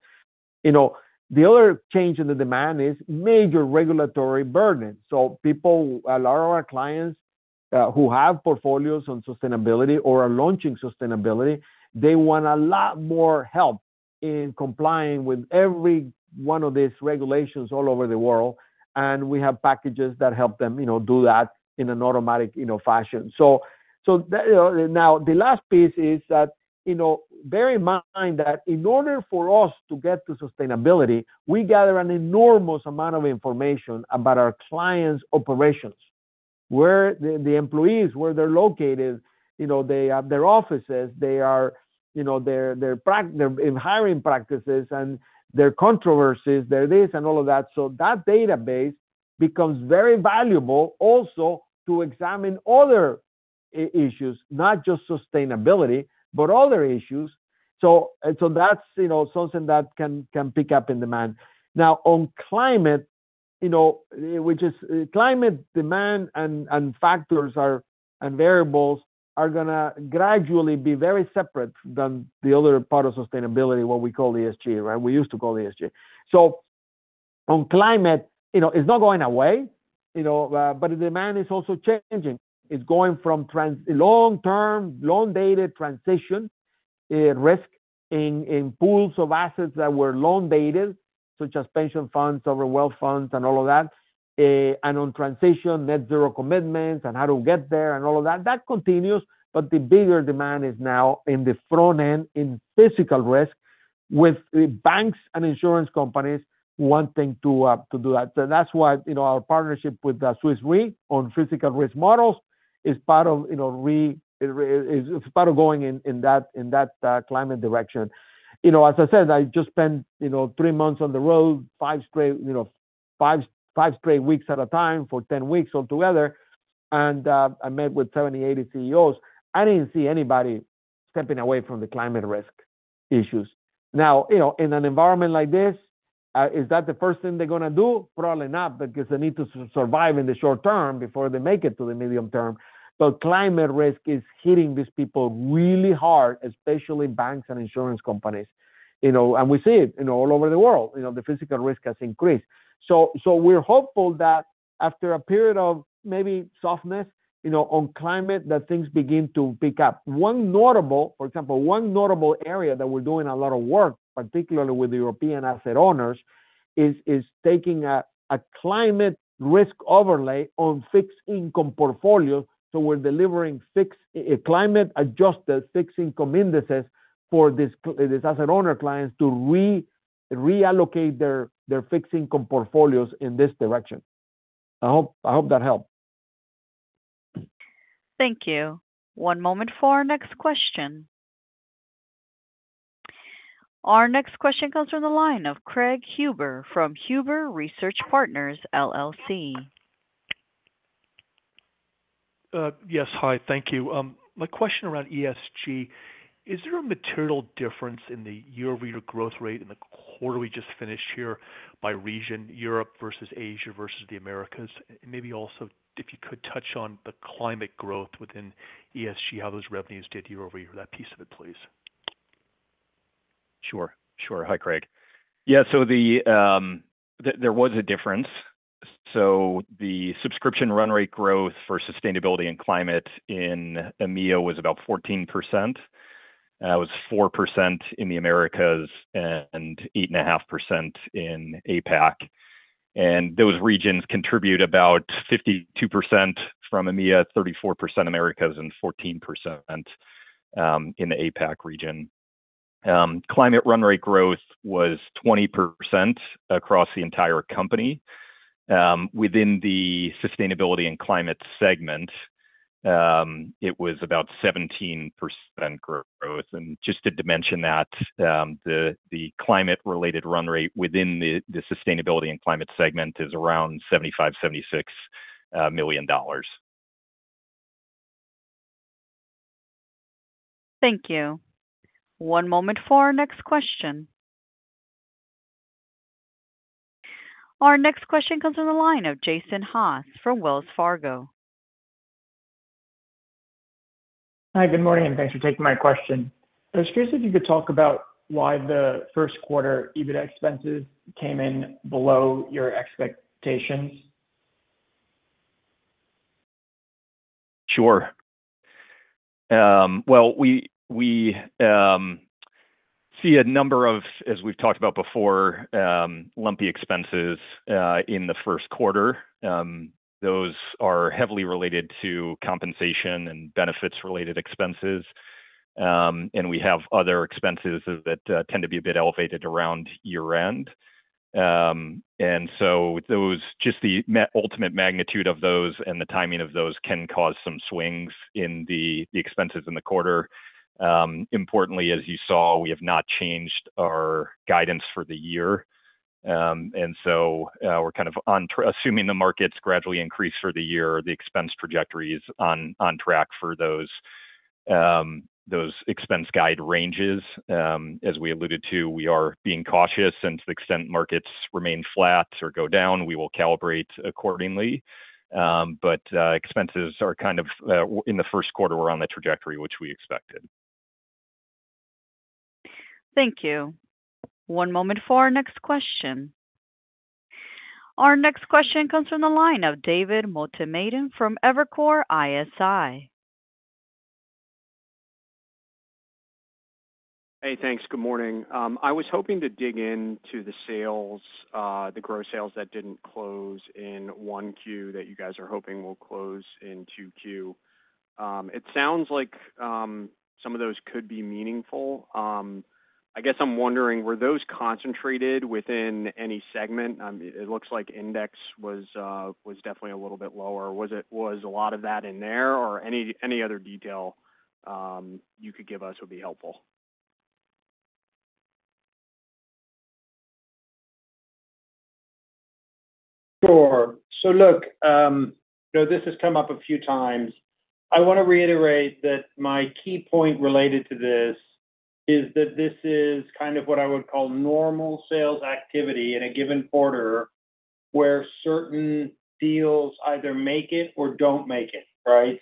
The other change in the demand is major regulatory burden. A lot of our clients who have portfolios on sustainability or are launching sustainability, they want a lot more help in complying with every one of these regulations all over the world. We have packages that help them do that in an automatic fashion. Now the last piece is that bear in mind that in order for us to get to sustainability, we gather an enormous amount of information about our clients' operations, where the employees, where they're located, they have their offices, their hiring practices, and their controversies, their this, and all of that. That database becomes very valuable also to examine other issues, not just sustainability, but other issues. That is something that can pick up in demand. Now, on climate, which is climate demand and factors and variables are going to gradually be very separate than the other part of sustainability, what we call ESG, right? We used to call ESG. On climate, it's not going away. The demand is also changing. It's going from long-term, long-dated transition risk in pools of assets that were long-dated, such as pension funds, overwealth funds, and all of that. On transition, net zero commitments and how to get there and all of that, that continues. The bigger demand is now in the front end, in physical risk, with banks and insurance companies wanting to do that. That is why our partnership with Swiss Re on physical risk models is part of going in that climate direction. As I said, I just spent three months on the road, five straight weeks at a time for 10 weeks altogether. I met with 70-80 CEOs. I did not see anybody stepping away from the climate risk issues. In an environment like this, is that the first thing they are going to do? Probably not because they need to survive in the short term before they make it to the medium term. Climate risk is hitting these people really hard, especially banks and insurance companies. We see it all over the world. The physical risk has increased. We are hopeful that after a period of maybe softness on climate, things begin to pick up. For example, one notable area that we are doing a lot of work, particularly with the European asset owners, is taking a climate risk overlay on fixed income portfolios. We are delivering climate-adjusted fixed income indices for these asset owner clients to reallocate their fixed income portfolios in this direction. I hope that helped. Thank you. One moment for our next question. Our next question comes from the line of Craig Huber from Huber Research Partners. Yes. Hi. Thank you. My question around ESG, is there a material difference in the year-over-year growth rate in the quarter we just finished here by region, Europe versus Asia versus the Americas? If you could also touch on the climate growth within ESG, how those revenues did year-over-year, that piece of it, please. Sure. Hi, Craig. Yeah. There was a difference. The subscription run rate growth for sustainability and climate in EMEA was about 14%. It was 4% in the Americas and 8.5% in APAC. Those regions contribute about 52% from EMEA, 34% Americas, and 14% in the APAC region. Climate run rate growth was 20% across the entire company. Within the sustainability and climate segment, it was about 17% growth. Just to dimension that, the climate-related run rate within the sustainability and climate segment is around $75 million-$76 million. Thank you. One moment for our next question. Our next question comes from the line of Jason Haas from Wells Fargo. Hi. Good morning. Thanks for taking my question. I was curious if you could talk about why the first quarter EBITDA expenses came in below your expectations. Sure. We see a number of, as we've talked about before, lumpy expenses in the first quarter. Those are heavily related to compensation and benefits-related expenses. We have other expenses that tend to be a bit elevated around year-end. Just the ultimate magnitude of those and the timing of those can cause some swings in the expenses in the quarter. Importantly, as you saw, we have not changed our guidance for the year. We are kind of assuming the markets gradually increase for the year. The expense trajectory is on track for those expense-guide ranges. As we alluded to, we are being cautious. To the extent markets remain flat or go down, we will calibrate accordingly. Expenses are kind of in the first quarter, we're on the trajectory which we expected. Thank you. One moment for our next question. Our next question comes from the line of David Motemadem from Evercore ISI. Hey, thanks. Good morning. I was hoping to dig into the growth sales that did not close in 1Q that you guys are hoping will close in 2Q. It sounds like some of those could be meaningful. I guess I am wondering, were those concentrated within any segment? It looks like Index was definitely a little bit lower. Was a lot of that in there? Or any other detail you could give us would be helpful? Sure. Look, this has come up a few times. I want to reiterate that my key point related to this is that this is kind of what I would call normal sales activity in a given quarter where certain deals either make it or do not make it, right?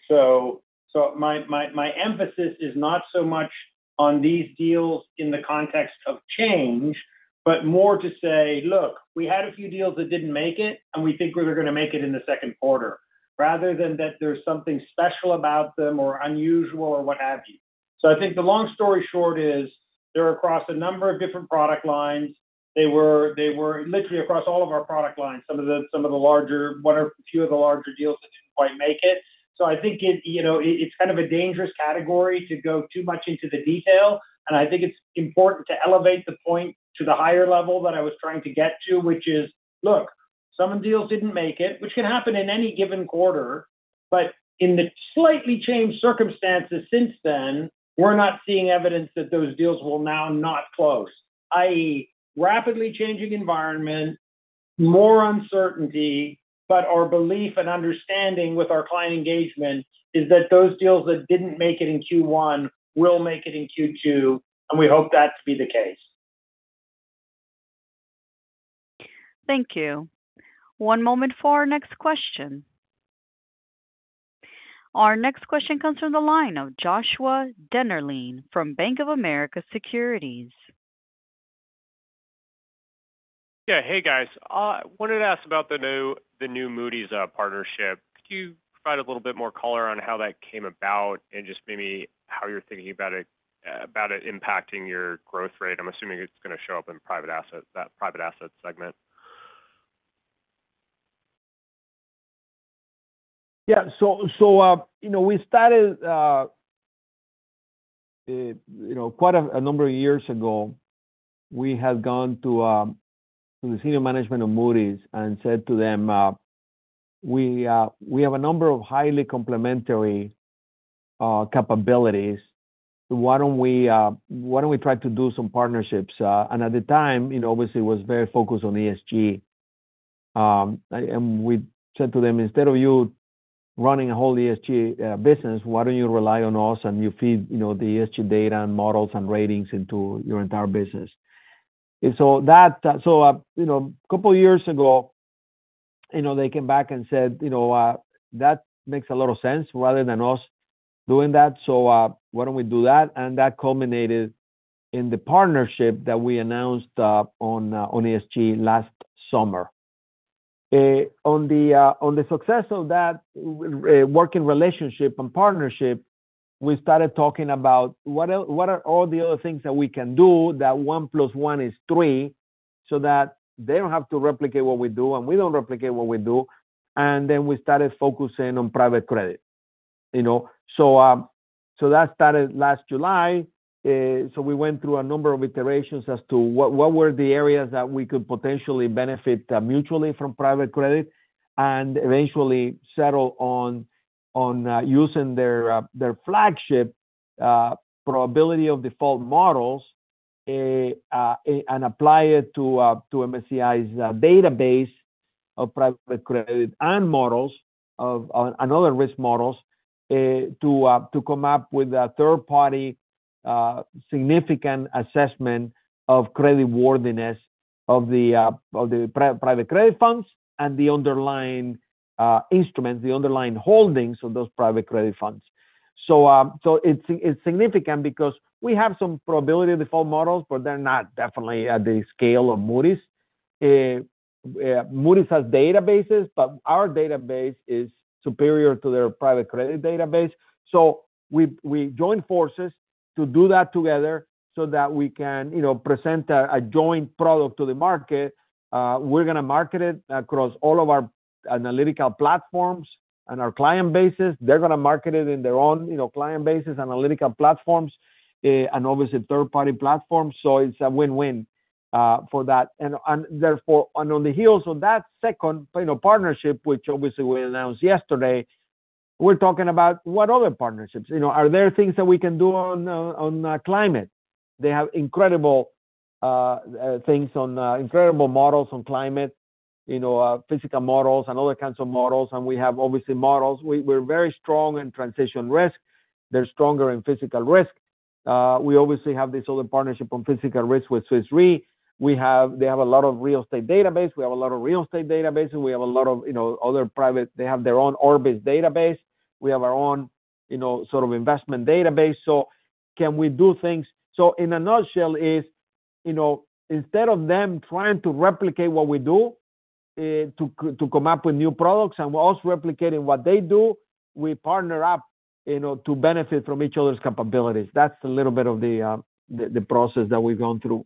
My emphasis is not so much on these deals in the context of change, but more to say, "Look, we had a few deals that did not make it, and we think we are going to make it in the second quarter," rather than that there is something special about them or unusual or what have you. I think the long story short is they are across a number of different product lines. They were literally across all of our product lines, some of the larger, one or few of the larger deals that did not quite make it. I think it's kind of a dangerous category to go too much into the detail. I think it's important to elevate the point to the higher level that I was trying to get to, which is, "Look, some deals didn't make it," which can happen in any given quarter. In the slightly changed circumstances since then, we're not seeing evidence that those deals will now not close, i.e., rapidly changing environment, more uncertainty. Our belief and understanding with our client engagement is that those deals that didn't make it in Q1 will make it in Q2. We hope that to be the case. Thank you. One moment for our next question. Our next question comes from the line of Joshua Dennerlein from Bank of America Securities. Yeah. Hey, guys. I wanted to ask about the new Moody's partnership. Could you provide a little bit more color on how that came about and just maybe how you're thinking about it impacting your growth rate? I'm assuming it's going to show up in that private asset segment. Yeah. We started quite a number of years ago. We had gone to the senior management of Moody's and said to them, "We have a number of highly complementary capabilities. Why don't we try to do some partnerships?" At the time, obviously, it was very focused on ESG. We said to them, "Instead of you running a whole ESG business, why don't you rely on us and you feed the ESG data and models and ratings into your entire business?" A couple of years ago, they came back and said, "That makes a lot of sense rather than us doing that. Why don't we do that?" That culminated in the partnership that we announced on ESG last summer. On the success of that working relationship and partnership, we started talking about, "What are all the other things that we can do that one plus one is three so that they do not have to replicate what we do and we do not replicate what we do?" We started focusing on private credit. That started last July. We went through a number of iterations as to what were the areas that we could potentially benefit mutually from private credit and eventually settled on using their flagship probability of default models and applying it to MSCI's database of private credit and models and other risk models to come up with a third-party significant assessment of credit worthiness of the private credit funds and the underlying instruments, the underlying holdings of those private credit funds. It's significant because we have some probability of default models, but they're not definitely at the scale of Moody's. Moody's has databases, but our database is superior to their private credit database. We joined forces to do that together so that we can present a joint product to the market. We're going to market it across all of our analytical platforms and our client bases. They're going to market it in their own client bases, analytical platforms, and obviously, third-party platforms. It's a win-win for that. On the heels of that second partnership, which obviously we announced yesterday, we're talking about, "What other partnerships? Are there things that we can do on climate?" They have incredible things on incredible models on climate, physical models, and other kinds of models. We have obviously models. We're very strong in transition risk. They're stronger in physical risk. We obviously have this other partnership on physical risk with Swiss Re. They have a lot of real estate database. We have a lot of real estate databases. We have a lot of other private—they have their own Orbis database. We have our own sort of investment database. Can we do things? In a nutshell, instead of them trying to replicate what we do to come up with new products and us replicating what they do, we partner up to benefit from each other's capabilities. That is a little bit of the process that we have gone through.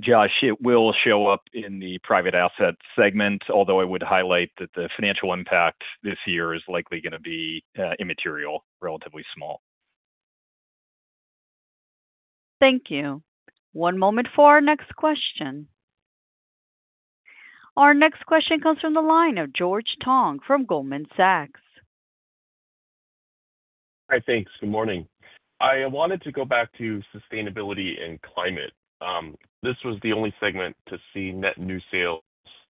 Josh, it will show up in the private asset segment, although I would highlight that the financial impact this year is likely going to be immaterial, relatively small. Thank you. One moment for our next question. Our next question comes from the line of George Tong from Goldman Sachs. Hi, thanks. Good morning. I wanted to go back to sustainability and climate. This was the only segment to see net new sales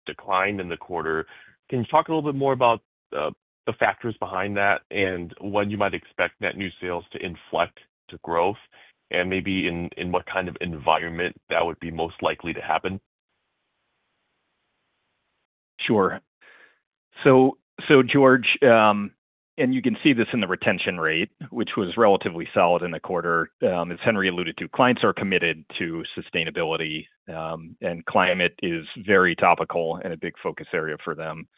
decline in the quarter. Can you talk a little bit more about the factors behind that and when you might expect net new sales to inflect to growth and maybe in what kind of environment that would be most likely to happen? Sure. George, you can see this in the retention rate, which was relatively solid in the quarter. As Henry alluded to, clients are committed to sustainability, and climate is very topical and a big focus area for them.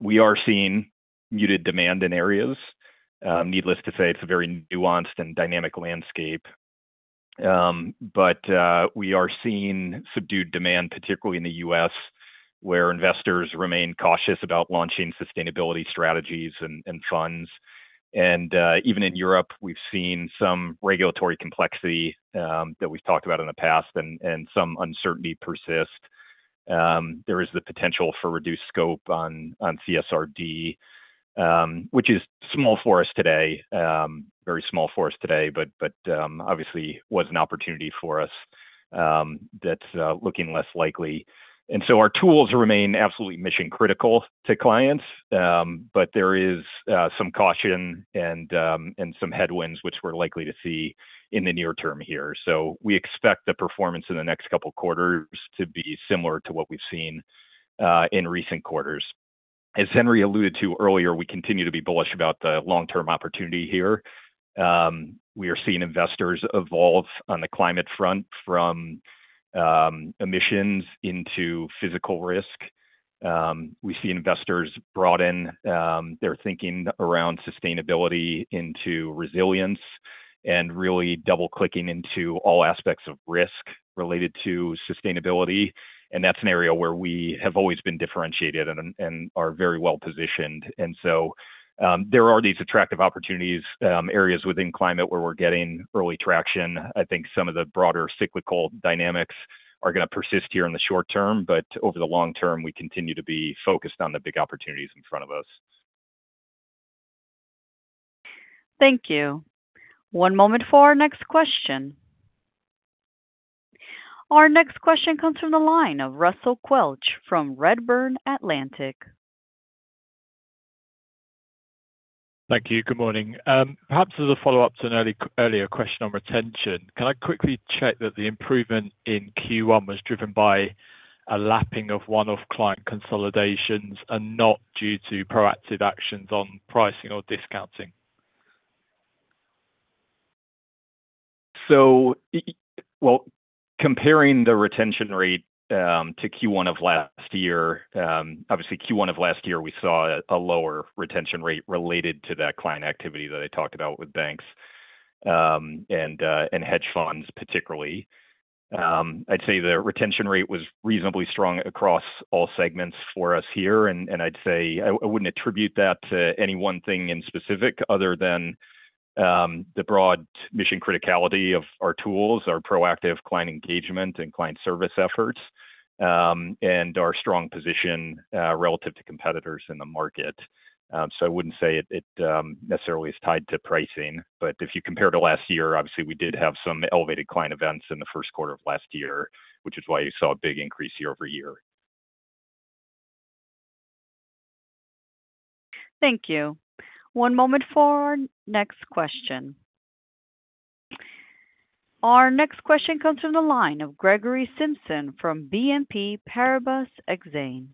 We are seeing muted demand in areas. Needless to say, it's a very nuanced and dynamic landscape. We are seeing subdued demand, particularly in the U.S., where investors remain cautious about launching sustainability strategies and funds. Even in Europe, we've seen some regulatory complexity that we've talked about in the past and some uncertainty persist. There is the potential for reduced scope on CSRD, which is small for us today, very small for us today, but obviously was an opportunity for us that's looking less likely. Our tools remain absolutely mission-critical to clients, but there is some caution and some headwinds, which we are likely to see in the near term here. We expect the performance in the next couple of quarters to be similar to what we have seen in recent quarters. As Henry alluded to earlier, we continue to be bullish about the long-term opportunity here. We are seeing investors evolve on the climate front from emissions into physical risk. We see investors broaden their thinking around sustainability into resilience and really double-clicking into all aspects of risk related to sustainability. That is an area where we have always been differentiated and are very well positioned. There are these attractive opportunities, areas within climate where we are getting early traction. I think some of the broader cyclical dynamics are going to persist here in the short term, but over the long term, we continue to be focused on the big opportunities in front of us. Thank you. One moment for our next question. Our next question comes from the line of Russell Quelch from Redburn Atlantic. Thank you. Good morning. Perhaps as a follow-up to an earlier question on retention, can I quickly check that the improvement in Q1 was driven by a lapping of one-off client consolidations and not due to proactive actions on pricing or discounting? Comparing the retention rate to Q1 of last year, obviously, Q1 of last year, we saw a lower retention rate related to that client activity that I talked about with banks and hedge funds, particularly. I'd say the retention rate was reasonably strong across all segments for us here. I'd say I wouldn't attribute that to any one thing in specific other than the broad mission criticality of our tools, our proactive client engagement and client service efforts, and our strong position relative to competitors in the market. I wouldn't say it necessarily is tied to pricing. If you compare to last year, obviously, we did have some elevated client events in the first quarter of last year, which is why you saw a big increase year-over-year. Thank you. One moment for our next question. Our next question comes from the line of Gregory Simpson from BNP Paribas Exane.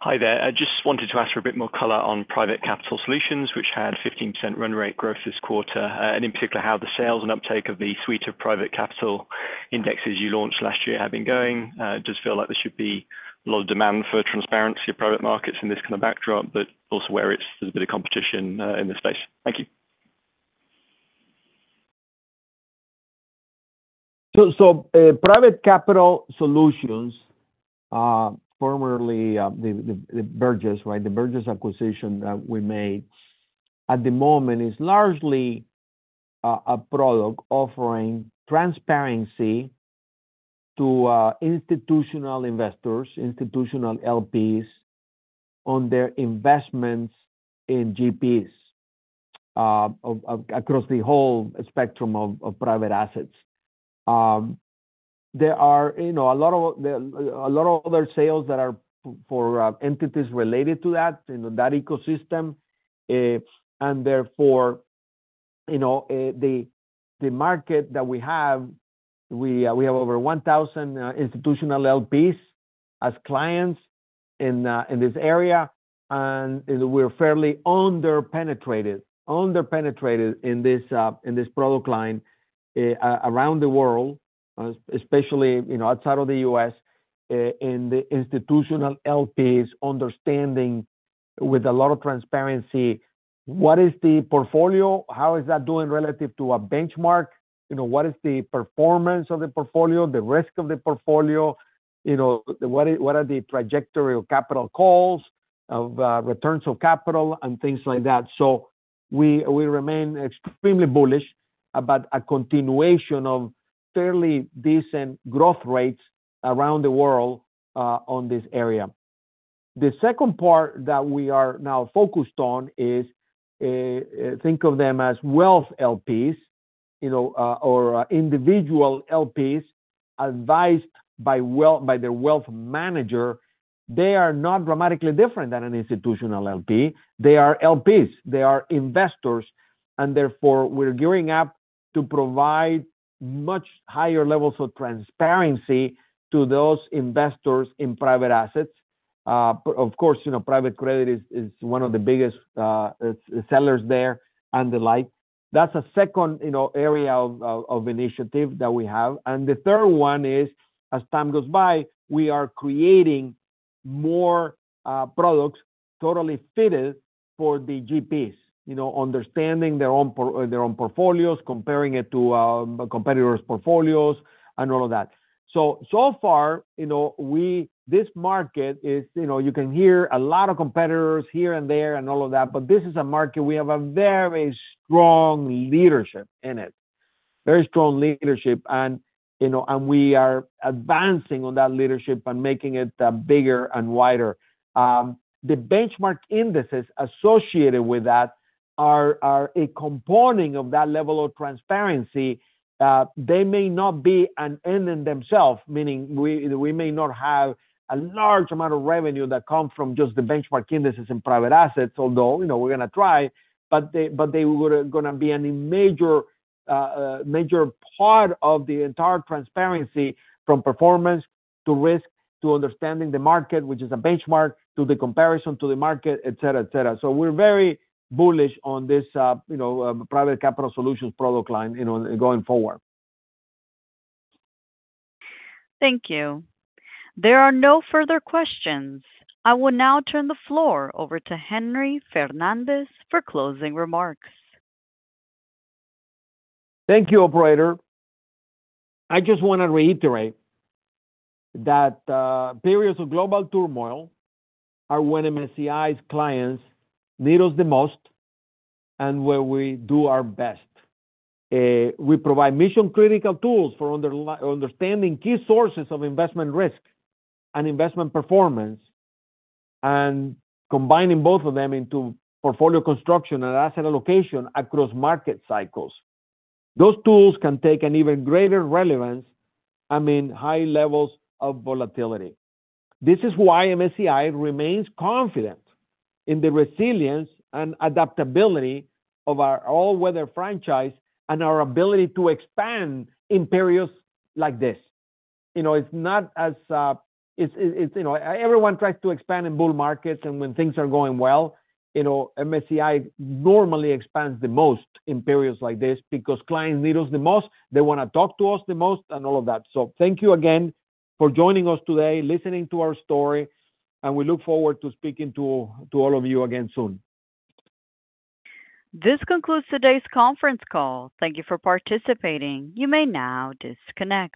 Hi there. I just wanted to ask for a bit more color on private capital solutions, which had 15% run rate growth this quarter, and in particular, how the sales and uptake of the suite of private capital indexes you launched last year have been going. It does feel like there should be a lot of demand for transparency of private markets in this kind of backdrop, but also where there's a bit of competition in the space. Thank you. Private capital solutions, formerly the Burgiss, right? The Burgiss acquisition that we made at the moment is largely a product offering transparency to institutional investors, institutional LPs on their investments in GPs across the whole spectrum of private assets. There are a lot of other sales that are for entities related to that ecosystem. Therefore, the market that we have, we have over 1,000 institutional LPs as clients in this area. We're fairly underpenetrated in this product line around the world, especially outside of the U.S., in the institutional LPs understanding with a lot of transparency, what is the portfolio? How is that doing relative to a benchmark? What is the performance of the portfolio, the risk of the portfolio? What are the trajectory of capital calls, of returns of capital, and things like that? We remain extremely bullish about a continuation of fairly decent growth rates around the world on this area. The second part that we are now focused on is, think of them as wealth LPs or individual LPs advised by their wealth manager. They are not dramatically different than an institutional LP. They are LPs. They are investors. Therefore, we are gearing up to provide much higher levels of transparency to those investors in private assets. Of course, private credit is one of the biggest sellers there and the like. That is a second area of initiative that we have. The third one is, as time goes by, we are creating more products totally fitted for the GPs, understanding their own portfolios, comparing it to competitors' portfolios, and all of that. This market is you can hear a lot of competitors here and there and all of that, but this is a market we have a very strong leadership in it, very strong leadership. We are advancing on that leadership and making it bigger and wider. The benchmark indices associated with that are a component of that level of transparency. They may not be an end in themselves, meaning we may not have a large amount of revenue that comes from just the benchmark indices and private assets, although we're going to try, but they are going to be a major part of the entire transparency from performance to risk to understanding the market, which is a benchmark to the comparison to the market, etc., etc. We are very bullish on this private capital solutions product line going forward. Thank you. There are no further questions. I will now turn the floor over to Henry Fernandez for closing remarks. Thank you, Operator. I just want to reiterate that periods of global turmoil are when MSCI's clients need us the most and where we do our best. We provide mission-critical tools for understanding key sources of investment risk and investment performance and combining both of them into portfolio construction and asset allocation across market cycles. Those tools can take an even greater relevance, I mean, high levels of volatility. This is why MSCI remains confident in the resilience and adaptability of our all-weather franchise and our ability to expand in periods like this. It's not as everyone tries to expand in bull markets, and when things are going well, MSCI normally expands the most in periods like this because clients need us the most. They want to talk to us the most and all of that. Thank you again for joining us today, listening to our story, and we look forward to speaking to all of you again soon. This concludes today's conference call. Thank you for participating. You may now disconnect.